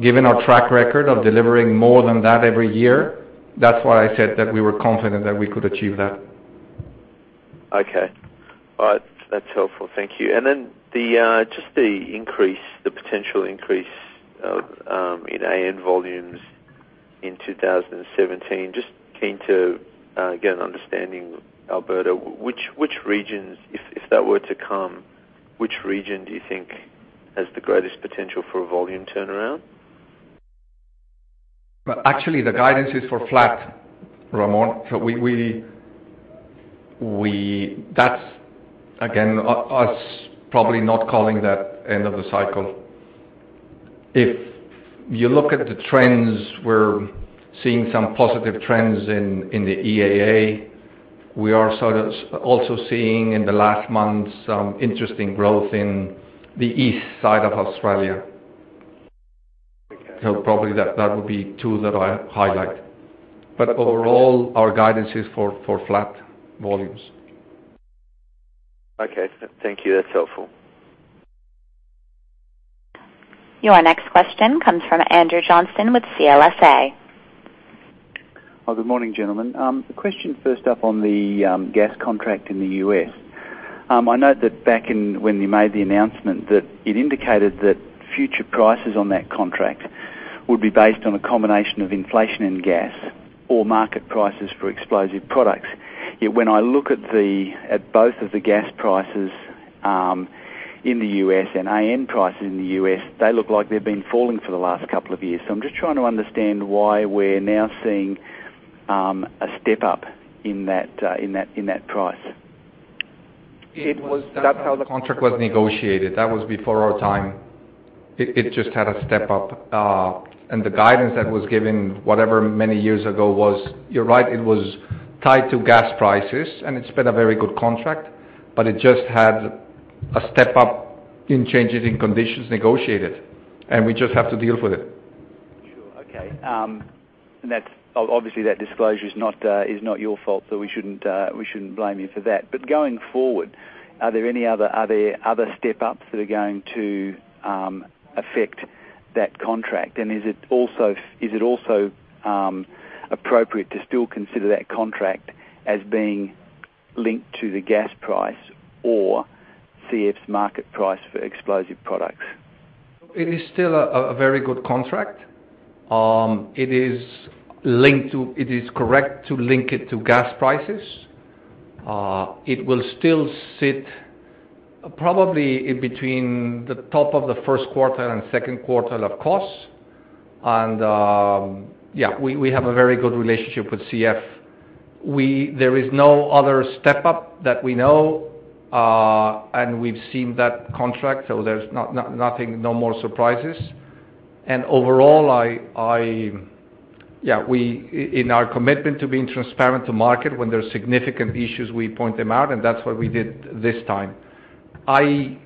Given our track record of delivering more than that every year, that's why I said that we were confident that we could achieve that. Okay. All right. That's helpful. Thank you. Then just the potential increase in AN volumes in 2017, just keen to get an understanding, Alberto. If that were to come, which region do you think has the greatest potential for a volume turnaround? Actually, the guidance is for flat, Ramoun. That's, again, us probably not calling that end of the cycle. If you look at the trends, we're seeing some positive trends in the EAA. We are sort of also seeing in the last month some interesting growth in the east side of Australia. Probably that would be two that I highlight. But overall, our guidance is for flat volumes. Okay. Thank you. That's helpful. Your next question comes from Andrew Johnston with CLSA. Oh, good morning, gentlemen. A question first up on the gas contract in the U.S. I note that back when you made the announcement that it indicated that future prices on that contract would be based on a combination of inflation and gas or market prices for explosive products. Yet when I look at both of the gas prices in the U.S. and AN prices in the U.S., they look like they've been falling for the last couple of years. I'm just trying to understand why we're now seeing a step-up in that price. It was how the contract was negotiated. That was before our time. It just had a step-up. The guidance that was given, whatever many years ago was, you're right, it was tied to gas prices, and it's been a very good contract, but it just had a step-up in changes in conditions negotiated, and we just have to deal with it. Sure. Okay. Obviously that disclosure is not your fault, so we shouldn't blame you for that. Going forward, are there other step-ups that are going to affect that contract? Is it also appropriate to still consider that contract as being linked to the gas price or CF's market price for explosive products? It is still a very good contract. It is correct to link it to gas prices. It will still sit probably between the top of the first quarter and second quarter of costs. Yeah, we have a very good relationship with CF. There is no other step-up that we know, and we've seen that contract, so there's no more surprises. Overall, in our commitment to being transparent to market when there's significant issues, we point them out, and that's what we did this time. I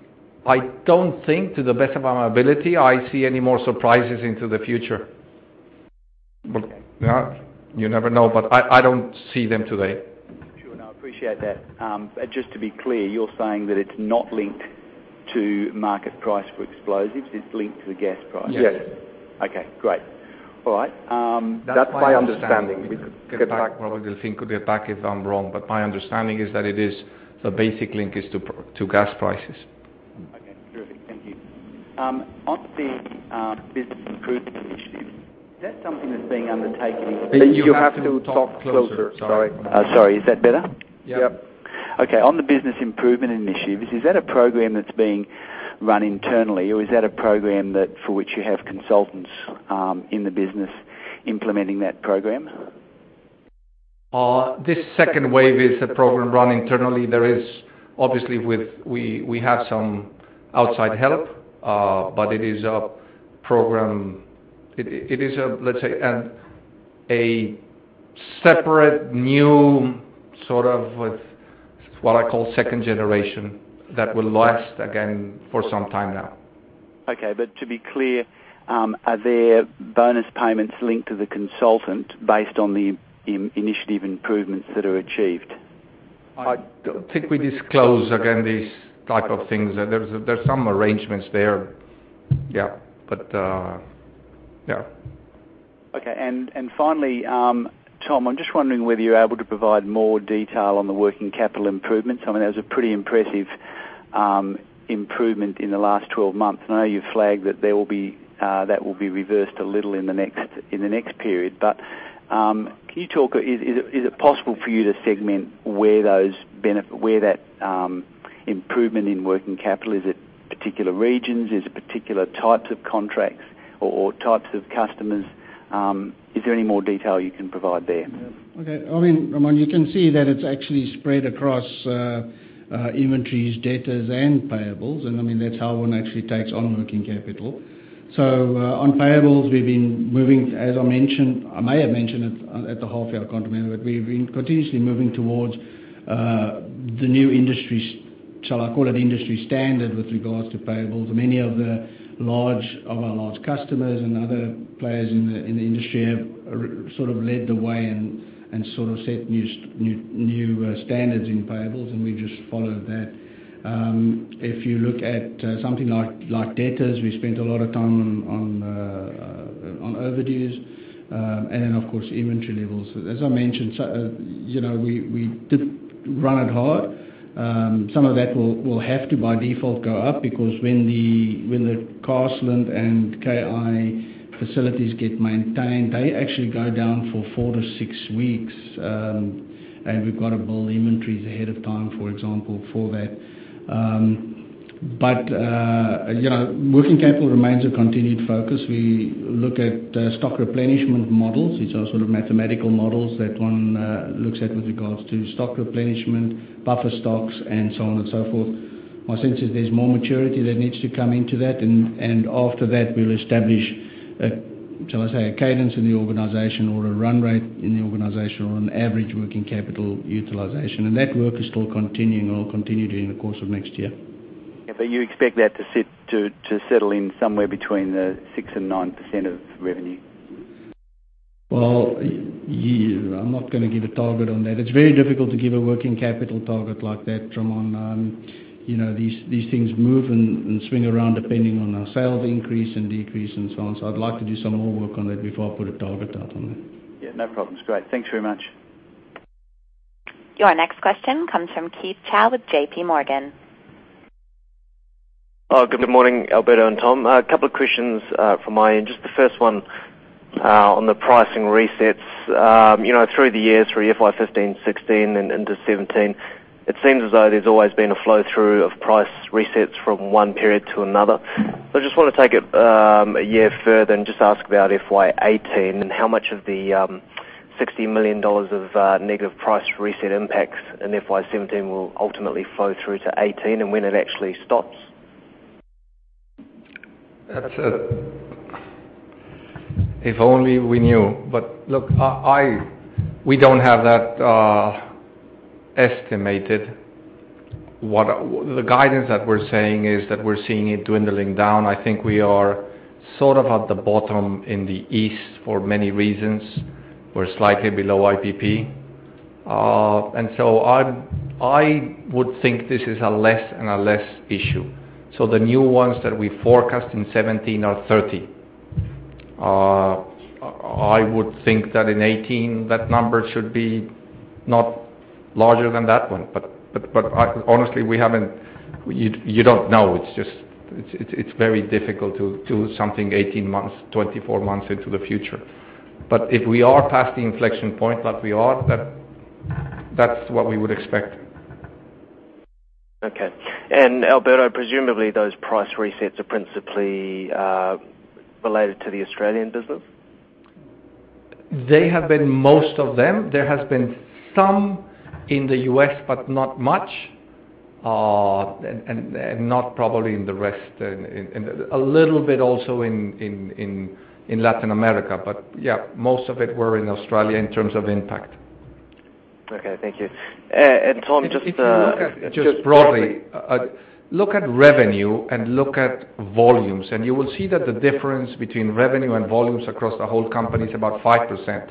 don't think, to the best of our ability, I see any more surprises into the future. Okay. You never know, but I don't see them today. Sure. No, I appreciate that. Just to be clear, you're saying that it's not linked to market price for explosives, it's linked to the gas price? Yes. Okay, great. All right. That's my understanding. Get back. Probably they'll think I get back if I'm wrong, but my understanding is that the basic link is to gas prices. Okay, terrific. Thank you. On the business improvement initiatives, is that something that's being undertaken- You have to talk closer. Sorry. Sorry. Is that better? Yep. Okay, on the business improvement initiatives, is that a program that's being run internally or is that a program for which you have consultants in the business implementing that program? This second wave is a program run internally. Obviously we have some outside help, it is a program. It is, let's say, a separate new sort of what I call second generation that will last, again, for some time now. Okay. To be clear, are there bonus payments linked to the consultant based on the initiative improvements that are achieved? I think we disclose, again, these type of things. There's some arrangements there. Yeah. Okay. Finally, Tom, I'm just wondering whether you're able to provide more detail on the working capital improvements. I mean, that was a pretty impressive improvement in the last 12 months. I know you flagged that that will be reversed a little in the next period, is it possible for you to segment where that improvement in working capital, is it particular regions? Is it particular types of contracts or types of customers? Is there any more detail you can provide there? Okay. I mean, Ramoun, you can see that it's actually spread across inventories, debtors, and payables, I mean, that's how one actually takes on working capital. On payables, we've been moving, as I mentioned, I may have mentioned it at the half year Shall I call it industry standard with regards to payables? Many of our large customers and other players in the industry have led the way and set new standards in payables, and we've just followed that. If you look at something like debtors, we spent a lot of time on overdues, then, of course, inventory levels. As I mentioned, we did run it hard. Some of that will have to, by default, go up because when the Carseland and KI facilities get maintained, they actually go down for 4 to 6 weeks, and we've got to build inventories ahead of time, for example, for that. Working capital remains a continued focus. We look at stock replenishment models. These are mathematical models that one looks at with regards to stock replenishment, buffer stocks, and so on and so forth. My sense is there's more maturity that needs to come into that, after that, we'll establish, shall I say, a cadence in the organization or a run rate in the organization or an average working capital utilization. That work is still continuing or will continue during the course of next year. Yeah. You expect that to settle in somewhere between the 6% and 9% of revenue? I'm not going to give a target on that. It's very difficult to give a working capital target like that, Ramoun. These things move and swing around depending on our sales increase and decrease and so on. I'd like to do some more work on that before I put a target out on that. No problems. Great. Thanks very much. Your next question comes from Keith Chow with JP Morgan. Good morning, Alberto and Tom. A couple of questions from my end. Just the first one on the pricing resets. Through the years, through FY 2015, 2016, and into 2017, it seems as though there's always been a flow-through of price resets from one period to another. I just want to take it a year further and ask about FY 2018 and how much of the 60 million dollars of negative price reset impacts in FY 2017 will ultimately flow through to 2018, and when it actually stops. If only we knew. Look, we don't have that estimated. The guidance that we're saying is that we're seeing it dwindling down. I think we are at the bottom in the East for many reasons. We're slightly below IPP. I would think this is a less and a less issue. The new ones that we forecast in 2017 are 30. I would think that in 2018, that number should be not larger than that one. Honestly, you don't know. It's very difficult to do something 18 months, 24 months into the future. But if we are past the inflection point like we are, that's what we would expect. Okay. Alberto, presumably those price resets are principally related to the Australian business? They have been most of them. There has been some in the U.S., not much, and not probably in the rest. A little bit also in Latin America. Yeah, most of it were in Australia in terms of impact. Okay, thank you. Tom. If you look at it just broadly. Look at revenue and look at volumes, you will see that the difference between revenue and volumes across the whole company is about 5%.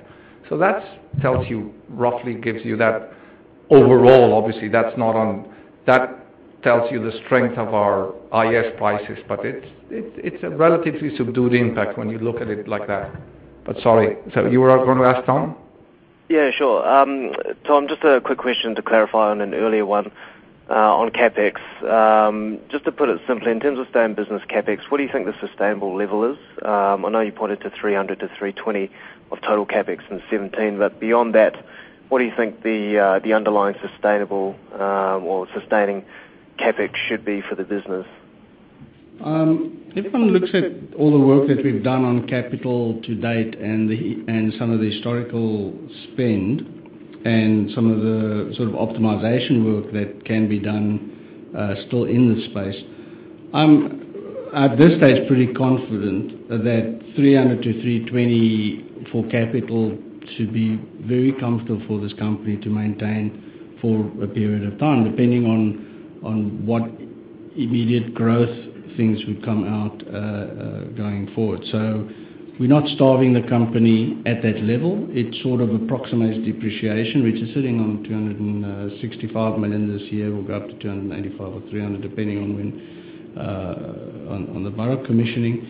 That roughly gives you that overall. Obviously, that tells you the strength of our IS prices, but it's a relatively subdued impact when you look at it like that. Sorry, you were going to ask, Tom? Yeah, sure. Tom, just a quick question to clarify on an earlier one on CapEx. Just to put it simply, in terms of staying in business CapEx, what do you think the sustainable level is? I know you pointed to 300 million-320 million of total CapEx in 2017. Beyond that, what do you think the underlying sustainable or sustaining CapEx should be for the business? If one looks at all the work that we've done on capital to date and some of the historical spend and some of the optimization work that can be done still in this space, I'm at this stage pretty confident that 300 million-320 million for capital should be very comfortable for this company to maintain for a period of time, depending on what immediate growth things would come out going forward. We're not starving the company at that level. It approximates depreciation, which is sitting on 265 million this year, will go up to 285 million or 300 million, depending on the Burrup commissioning.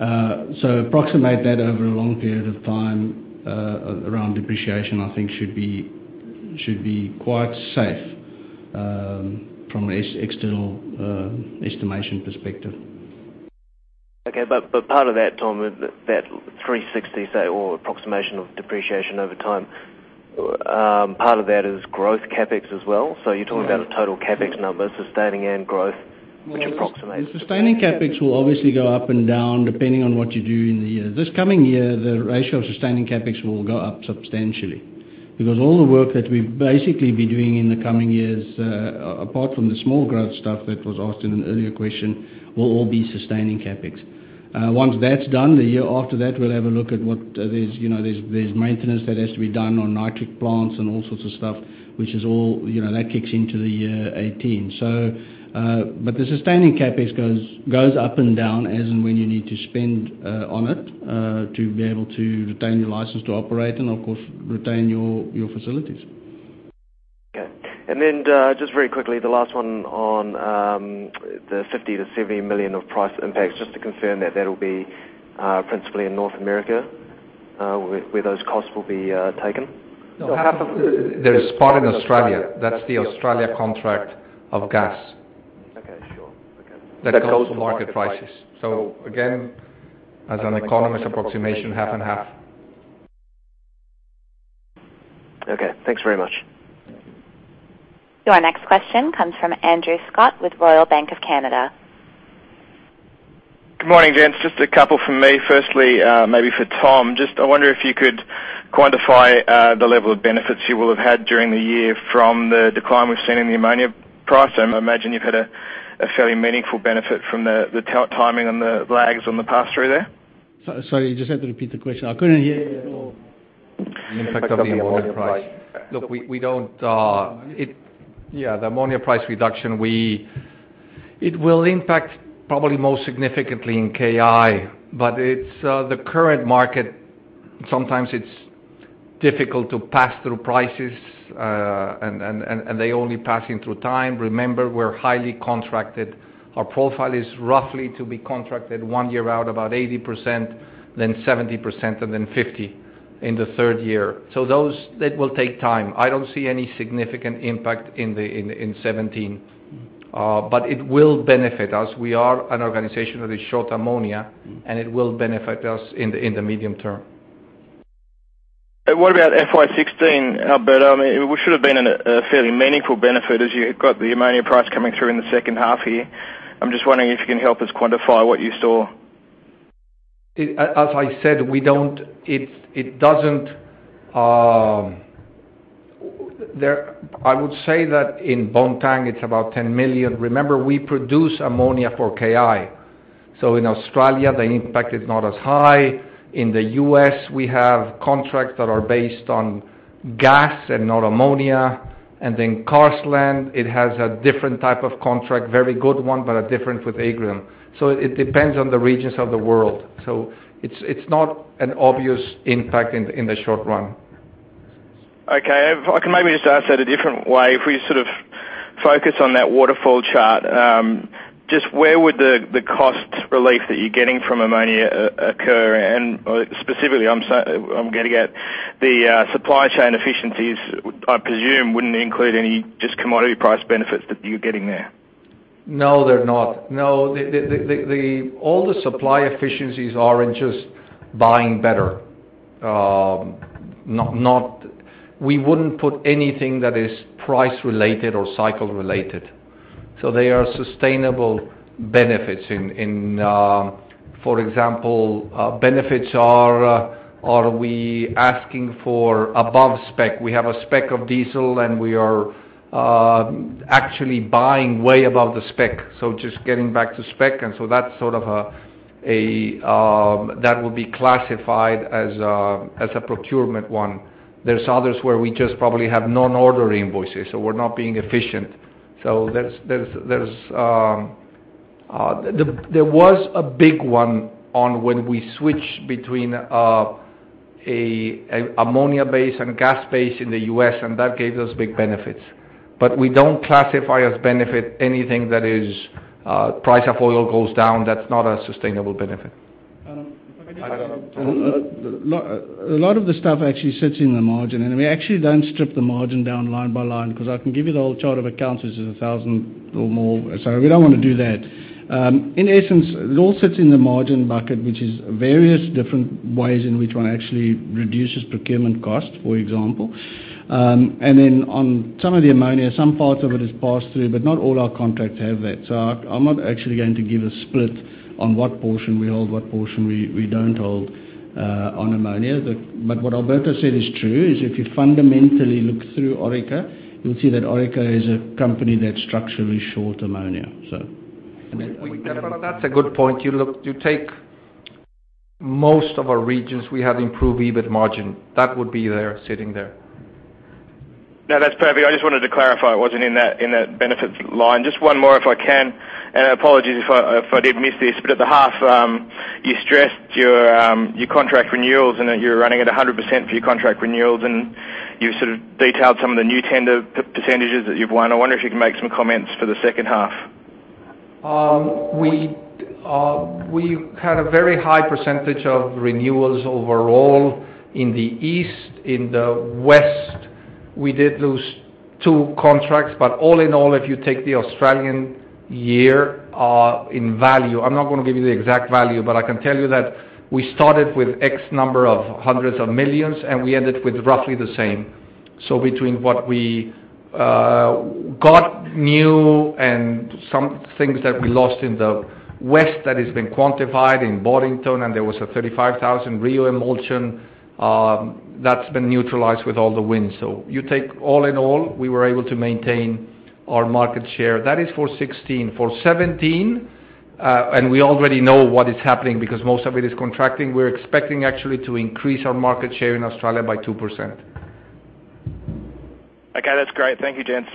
Approximate that over a long period of time around depreciation, I think should be quite safe from an external estimation perspective. Okay. Part of that, Tom, that 360 million, say, or approximation of depreciation over time, part of that is growth CapEx as well. You're talking about a total CapEx number, sustaining and growth, which approximates. The sustaining CapEx will obviously go up and down depending on what you do in the year. This coming year, the ratio of sustaining CapEx will go up substantially. Because all the work that we've basically doing in the coming years, apart from the small growth stuff that was asked in an earlier question, will all be sustaining CapEx. Once that's done, the year after that, we'll have a look at what there is. There's maintenance that has to be done on nitric plants and all sorts of stuff, which is all that kicks into the year 2018. The sustaining CapEx goes up and down as and when you need to spend on it, to be able to retain your license to operate and of course, retain your facilities. Okay. Just very quickly, the last one on the 50 million-70 million of price impacts. Just to confirm that that'll be principally in North America, where those costs will be taken? No, half of it. There's part in Australia. That's the Australia contract of gas. Okay. Sure. Okay. That goes to market prices. Again, as an economist approximation, half and half. Okay. Thanks very much. Your next question comes from Andrew Scott with Royal Bank of Canada. Good morning, gents. Just a couple from me. Firstly, maybe for Tom, just I wonder if you could quantify the level of benefits you will have had during the year from the decline we've seen in the ammonia price. I imagine you've had a fairly meaningful benefit from the timing and the lags on the pass-through there. Sorry, you just have to repeat the question. I couldn't hear you at all. The impact of the ammonia price. The ammonia price reduction, it will impact probably most significantly in KI. It's the current market, sometimes it's difficult to pass through prices, and they only pass in through time. Remember, we're highly contracted. Our profile is roughly to be contracted one year out, about 80%, then 70%, and then 50% in the third year. That will take time. I don't see any significant impact in 2017. It will benefit us. We are an organization that is short ammonia, and it will benefit us in the medium term. What about FY 2016, Alberto? I mean, we should have been in a fairly meaningful benefit as you got the ammonia price coming through in the second half here. I'm just wondering if you can help us quantify what you saw. As I said, I would say that in Bontang it's about 10 million. Remember, we produce ammonia for KI. In Australia, the impact is not as high. In the U.S., we have contracts that are based on gas and not ammonia. Carseland, it has a different type of contract, very good one, but different with Agrium. It depends on the regions of the world. It's not an obvious impact in the short run. Okay. If I can maybe just ask that a different way. If we sort of focus on that waterfall chart, just where would the cost relief that you're getting from ammonia occur and, specifically I'm getting at the supply chain efficiencies, I presume wouldn't include any just commodity price benefits that you're getting there? No, they're not. No. All the supply efficiencies are in just buying better. We wouldn't put anything that is price related or cycle related. They are sustainable benefits in, for example, benefits are we asking for above spec. We have a spec of diesel and we are actually buying way above the spec. Just getting back to spec, that will be classified as a procurement one. There's others where we just probably have non-order invoices, so we're not being efficient. There was a big one on when we switched between ammonia base and gas base in the U.S., and that gave us big benefits. We don't classify as benefit anything that is, price of oil goes down, that's not a sustainable benefit. A lot of the stuff actually sits in the margin, and we actually don't strip the margin down line by line because I can give you the whole chart of accounts, which is 1,000 or more. We don't want to do that. In essence, it all sits in the margin bucket, which is various different ways in which one actually reduces procurement costs, for example. On some of the ammonia, some parts of it is passed through, but not all our contracts have that. I'm not actually going to give a split on what portion we hold, what portion we don't hold on ammonia. What Alberto said is true, is if you fundamentally look through Orica, you'll see that Orica is a company that's structurally short ammonia. That's a good point. You take most of our regions, we have improved EBIT margin. That would be there, sitting there. No, that's perfect. I just wanted to clarify it wasn't in that benefits line. Just one more, if I can. Apologies if I did miss this, at the half, you stressed your contract renewals and that you're running at 100% for your contract renewals, and you sort of detailed some of the new tender percentages that you've won. I wonder if you can make some comments for the second half. We had a very high percentage of renewals overall in the East. In the West, we did lose two contracts. All in all, if you take the Australian year in value, I'm not going to give you the exact value, but I can tell you that we started with X number of hundreds of millions, and we ended with roughly the same. Between what we got new and some things that we lost in the West that has been quantified in Boddington, and there was a 35,000 Rio emulsion that's been neutralized with all the wins. You take all in all, we were able to maintain our market share. That is for 2016. For 2017, we already know what is happening because most of it is contracting, we're expecting actually to increase our market share in Australia by 2%. Okay. That's great. Thank you, gents.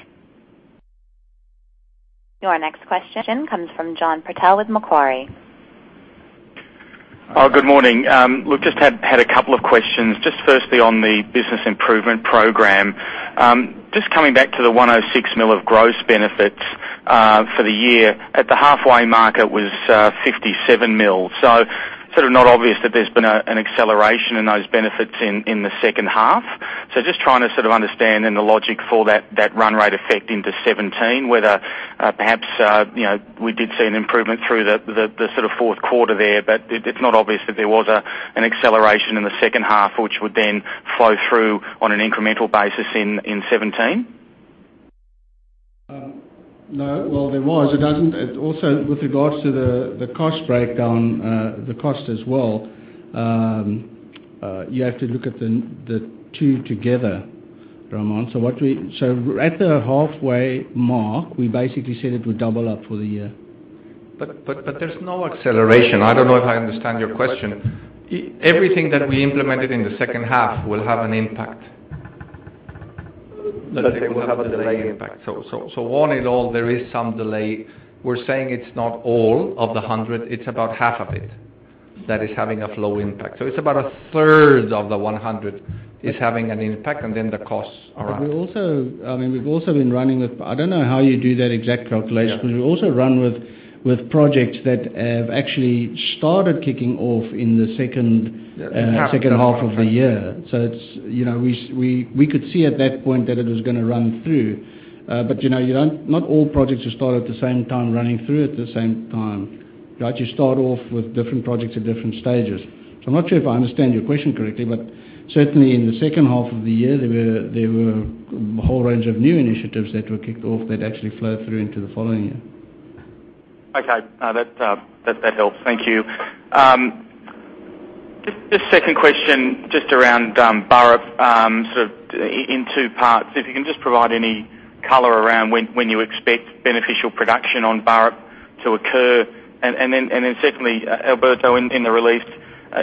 Your next question comes from John Purtell with Macquarie. Good morning. I just had a couple of questions. Firstly on the business improvement program. Coming back to the 106 million of gross benefits for the year. At the halfway mark, it was 57 million, sort of not obvious that there has been an acceleration in those benefits in the second half. I am just trying to sort of understand then the logic for that run rate effect into 2017, whether perhaps, we did see an improvement through the sort of fourth quarter there, it is not obvious that there was an acceleration in the second half, which would then flow through on an incremental basis in 2017. No. Well, there was. Also, with regards to the cost breakdown, the cost as well, you have to look at the two together, Ramoun. At the halfway mark, we basically said it would double up for the year. There has been no acceleration. I do not know if I understand your question. Everything that we implemented in the second half will have an impact. It will have a delay impact. All in all, there is some delay. We're saying it's not all of the 100, it's about half of it that is having a flow impact. It's about a third of the 100 is having an impact, and then the costs around. I don't know how you do that exact calculation. Yeah We also run with projects that have actually started kicking off in the second. Yeah. Second half of the year. We could see at that point that it was gonna run through. Not all projects are started at the same time, running through at the same time. You actually start off with different projects at different stages. I'm not sure if I understand your question correctly, but certainly in the second half of the year, there were a whole range of new initiatives that were kicked off that actually flowed through into the following year. Okay. No, that helps. Thank you. Second question, just around Burrup, sort of in two parts. If you can just provide any color around when you expect beneficial production on Burrup to occur. Secondly, Alberto, in the release,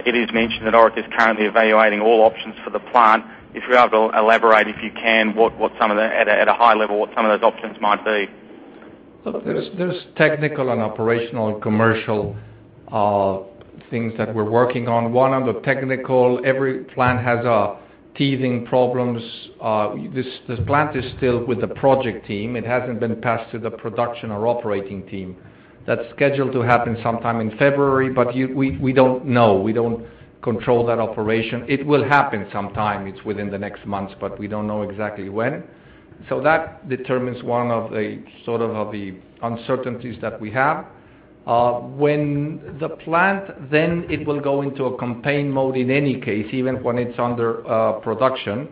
it is mentioned that Orica is currently evaluating all options for the plant. If you're able, elaborate if you can, at a high level, what some of those options might be. There's technical and operational commercial things that we're working on. One, on the technical, every plant has teething problems. This plant is still with the project team. It hasn't been passed to the production or operating team. That's scheduled to happen sometime in February, we don't know. We don't control that operation. It will happen sometime. It's within the next months, we don't know exactly when. That determines one of the uncertainties that we have. When the plant, it will go into a campaign mode in any case, even when it's under production.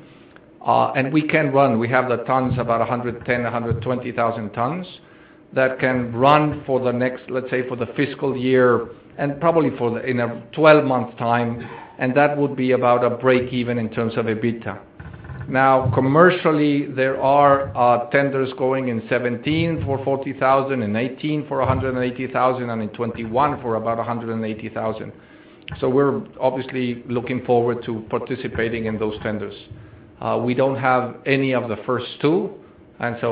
We can run, we have the tons, about 110,000, 120,000 tons that can run for the next, let's say, for the fiscal year and probably in a 12-month time, and that would be about a break even in terms of EBITDA. Commercially, there are tenders going in 2017 for 40,000, in 2018 for 180,000, and in 2021 for about 180,000. We're obviously looking forward to participating in those tenders. We don't have any of the first two, again,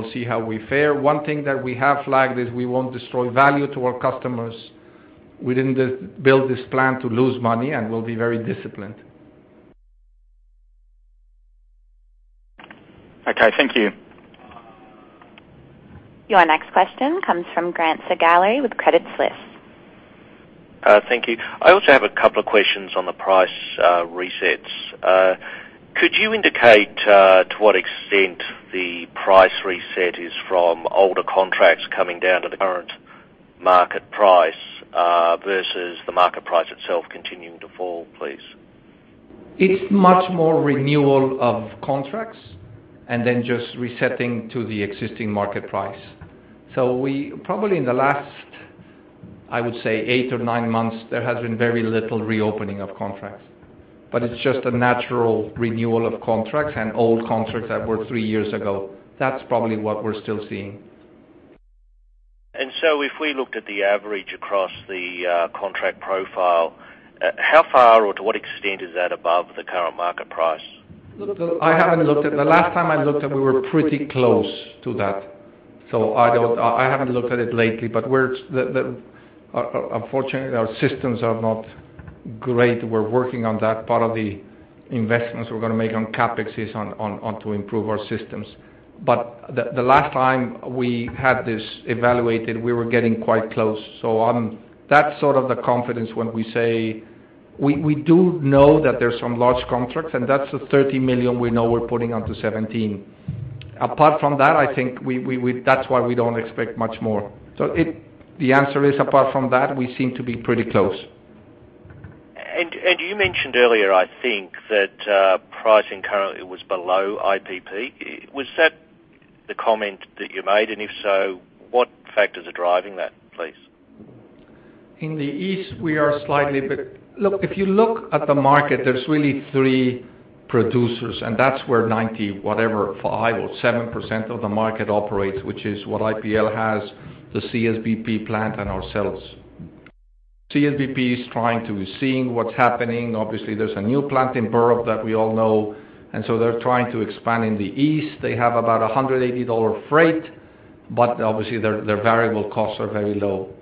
we'll see how we fare. One thing that we have flagged is we won't destroy value to our customers. We didn't build this plant to lose money, we'll be very disciplined. Okay. Thank you. Your next question comes from Grant Saligari with Credit Suisse. Thank you. I also have a couple of questions on the price resets. Could you indicate to what extent the price reset is from older contracts coming down to the current market price, versus the market price itself continuing to fall, please? It's much more renewal of contracts and then just resetting to the existing market price. Probably in the last, I would say, eight or nine months, there has been very little reopening of contracts. It's just a natural renewal of contracts and old contracts that were three years ago. That's probably what we're still seeing. If we looked at the average across the contract profile, how far or to what extent is that above the current market price? The last time I looked at, we were pretty close to that. I haven't looked at it lately. Unfortunately, our systems are not great. We're working on that. Part of the investments we're going to make on CapEx is on to improve our systems. The last time we had this evaluated, we were getting quite close. On that sort of the confidence when we say we do know that there's some large contracts, and that's the 30 million we know we're putting onto 2017. Apart from that, I think that's why we don't expect much more. The answer is, apart from that, we seem to be pretty close. You mentioned earlier, I think, that pricing currently was below IPP. Was that the comment that you made, and if so, what factors are driving that, please? In the East, we are slightly. If you look at the market, there's really three producers, and that's where 90 whatever, 5% or 7% of the market operates, which is what IPL has, the CSBP plant, and ourselves. CSBP is trying to be seeing what's happening. Obviously, there's a new plant in Burrup that we all know. They're trying to expand in the East. They have about 180 dollar freight, obviously, their variable costs are very low.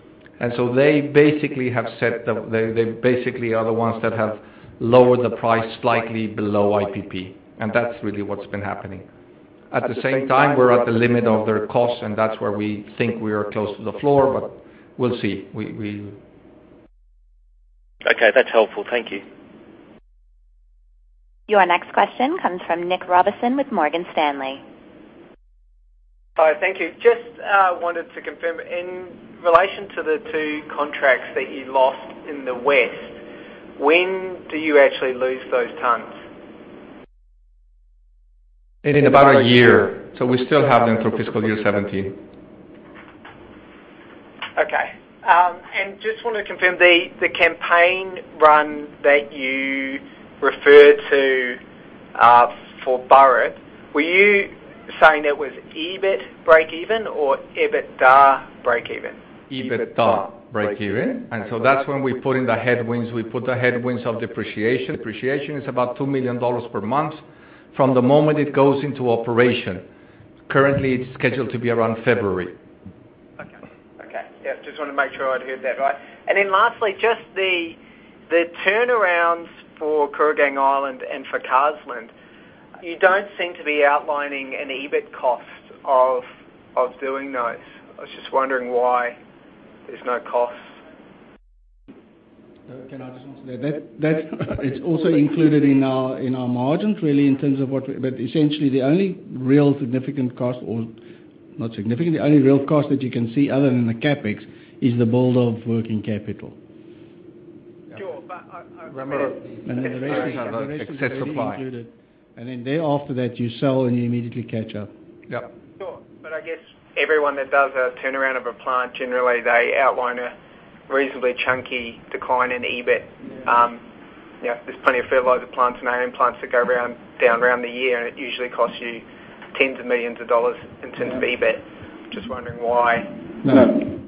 They basically are the ones that have lowered the price slightly below IPP. That's really what's been happening. At the same time, we're at the limit of their costs, and that's where we think we are close to the floor, we'll see. That's helpful. Thank you. Your next question comes from Nick Robison with Morgan Stanley. Hi, thank you. Just wanted to confirm, in relation to the two contracts that you lost in the West, when do you actually lose those tons? In about a year. We still have them for fiscal year 2017. Okay. Just want to confirm the campaign run that you referred to for Burrup, were you saying it was EBIT break even or EBITDA break even? EBITDA break even. That's when we put in the headwinds. We put the headwinds of depreciation. Depreciation is about 2 million dollars per month from the moment it goes into operation. Currently, it's scheduled to be around February. Okay. Yeah, just want to make sure I'd heard that right. Lastly, just the turnarounds for Kooragang Island and for Carseland. You don't seem to be outlining an EBIT cost of doing those. I was just wondering why there's no cost. Can I just answer that? It's also included in our margins, really, but essentially the only real significant cost, or not significant, the only real cost that you can see other than the CapEx is the build of working capital. Sure. Remember, excess supply. The rest of it is already included. Thereafter that you sell and you immediately catch up. Yep. Sure. I guess everyone that does a turnaround of a plant, generally, they outline a reasonably chunky decline in EBIT. Yeah. There's plenty of fertilizer plants and iron plants that go around down around the year, and it usually costs you tens of millions of AUD in terms of EBIT. Just wondering why. No.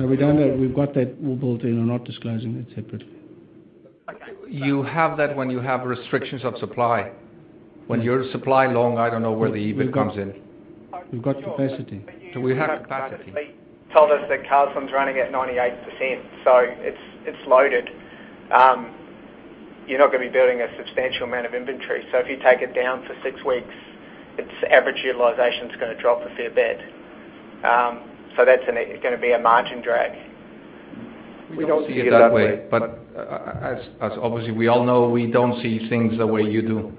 We've got that built in. We're not disclosing it separately. Okay. You have that when you have restrictions of supply. When you're supply long, I don't know where the EBIT comes in. We've got capacity. We have capacity. You told us that Carseland's running at 98%. It's loaded. You're not going to be building a substantial amount of inventory. If you take it down for six weeks, its average utilization's going to drop a fair bit. That's going to be a margin drag. We don't see it that way. As obviously we all know, we don't see things the way you do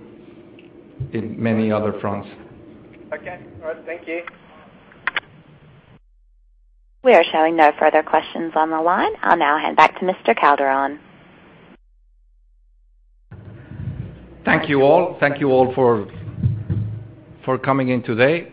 in many other fronts. Okay. All right. Thank you. We are showing no further questions on the line. I'll now hand back to Mr. Calderon. Thank you all. Thank you all for coming in today.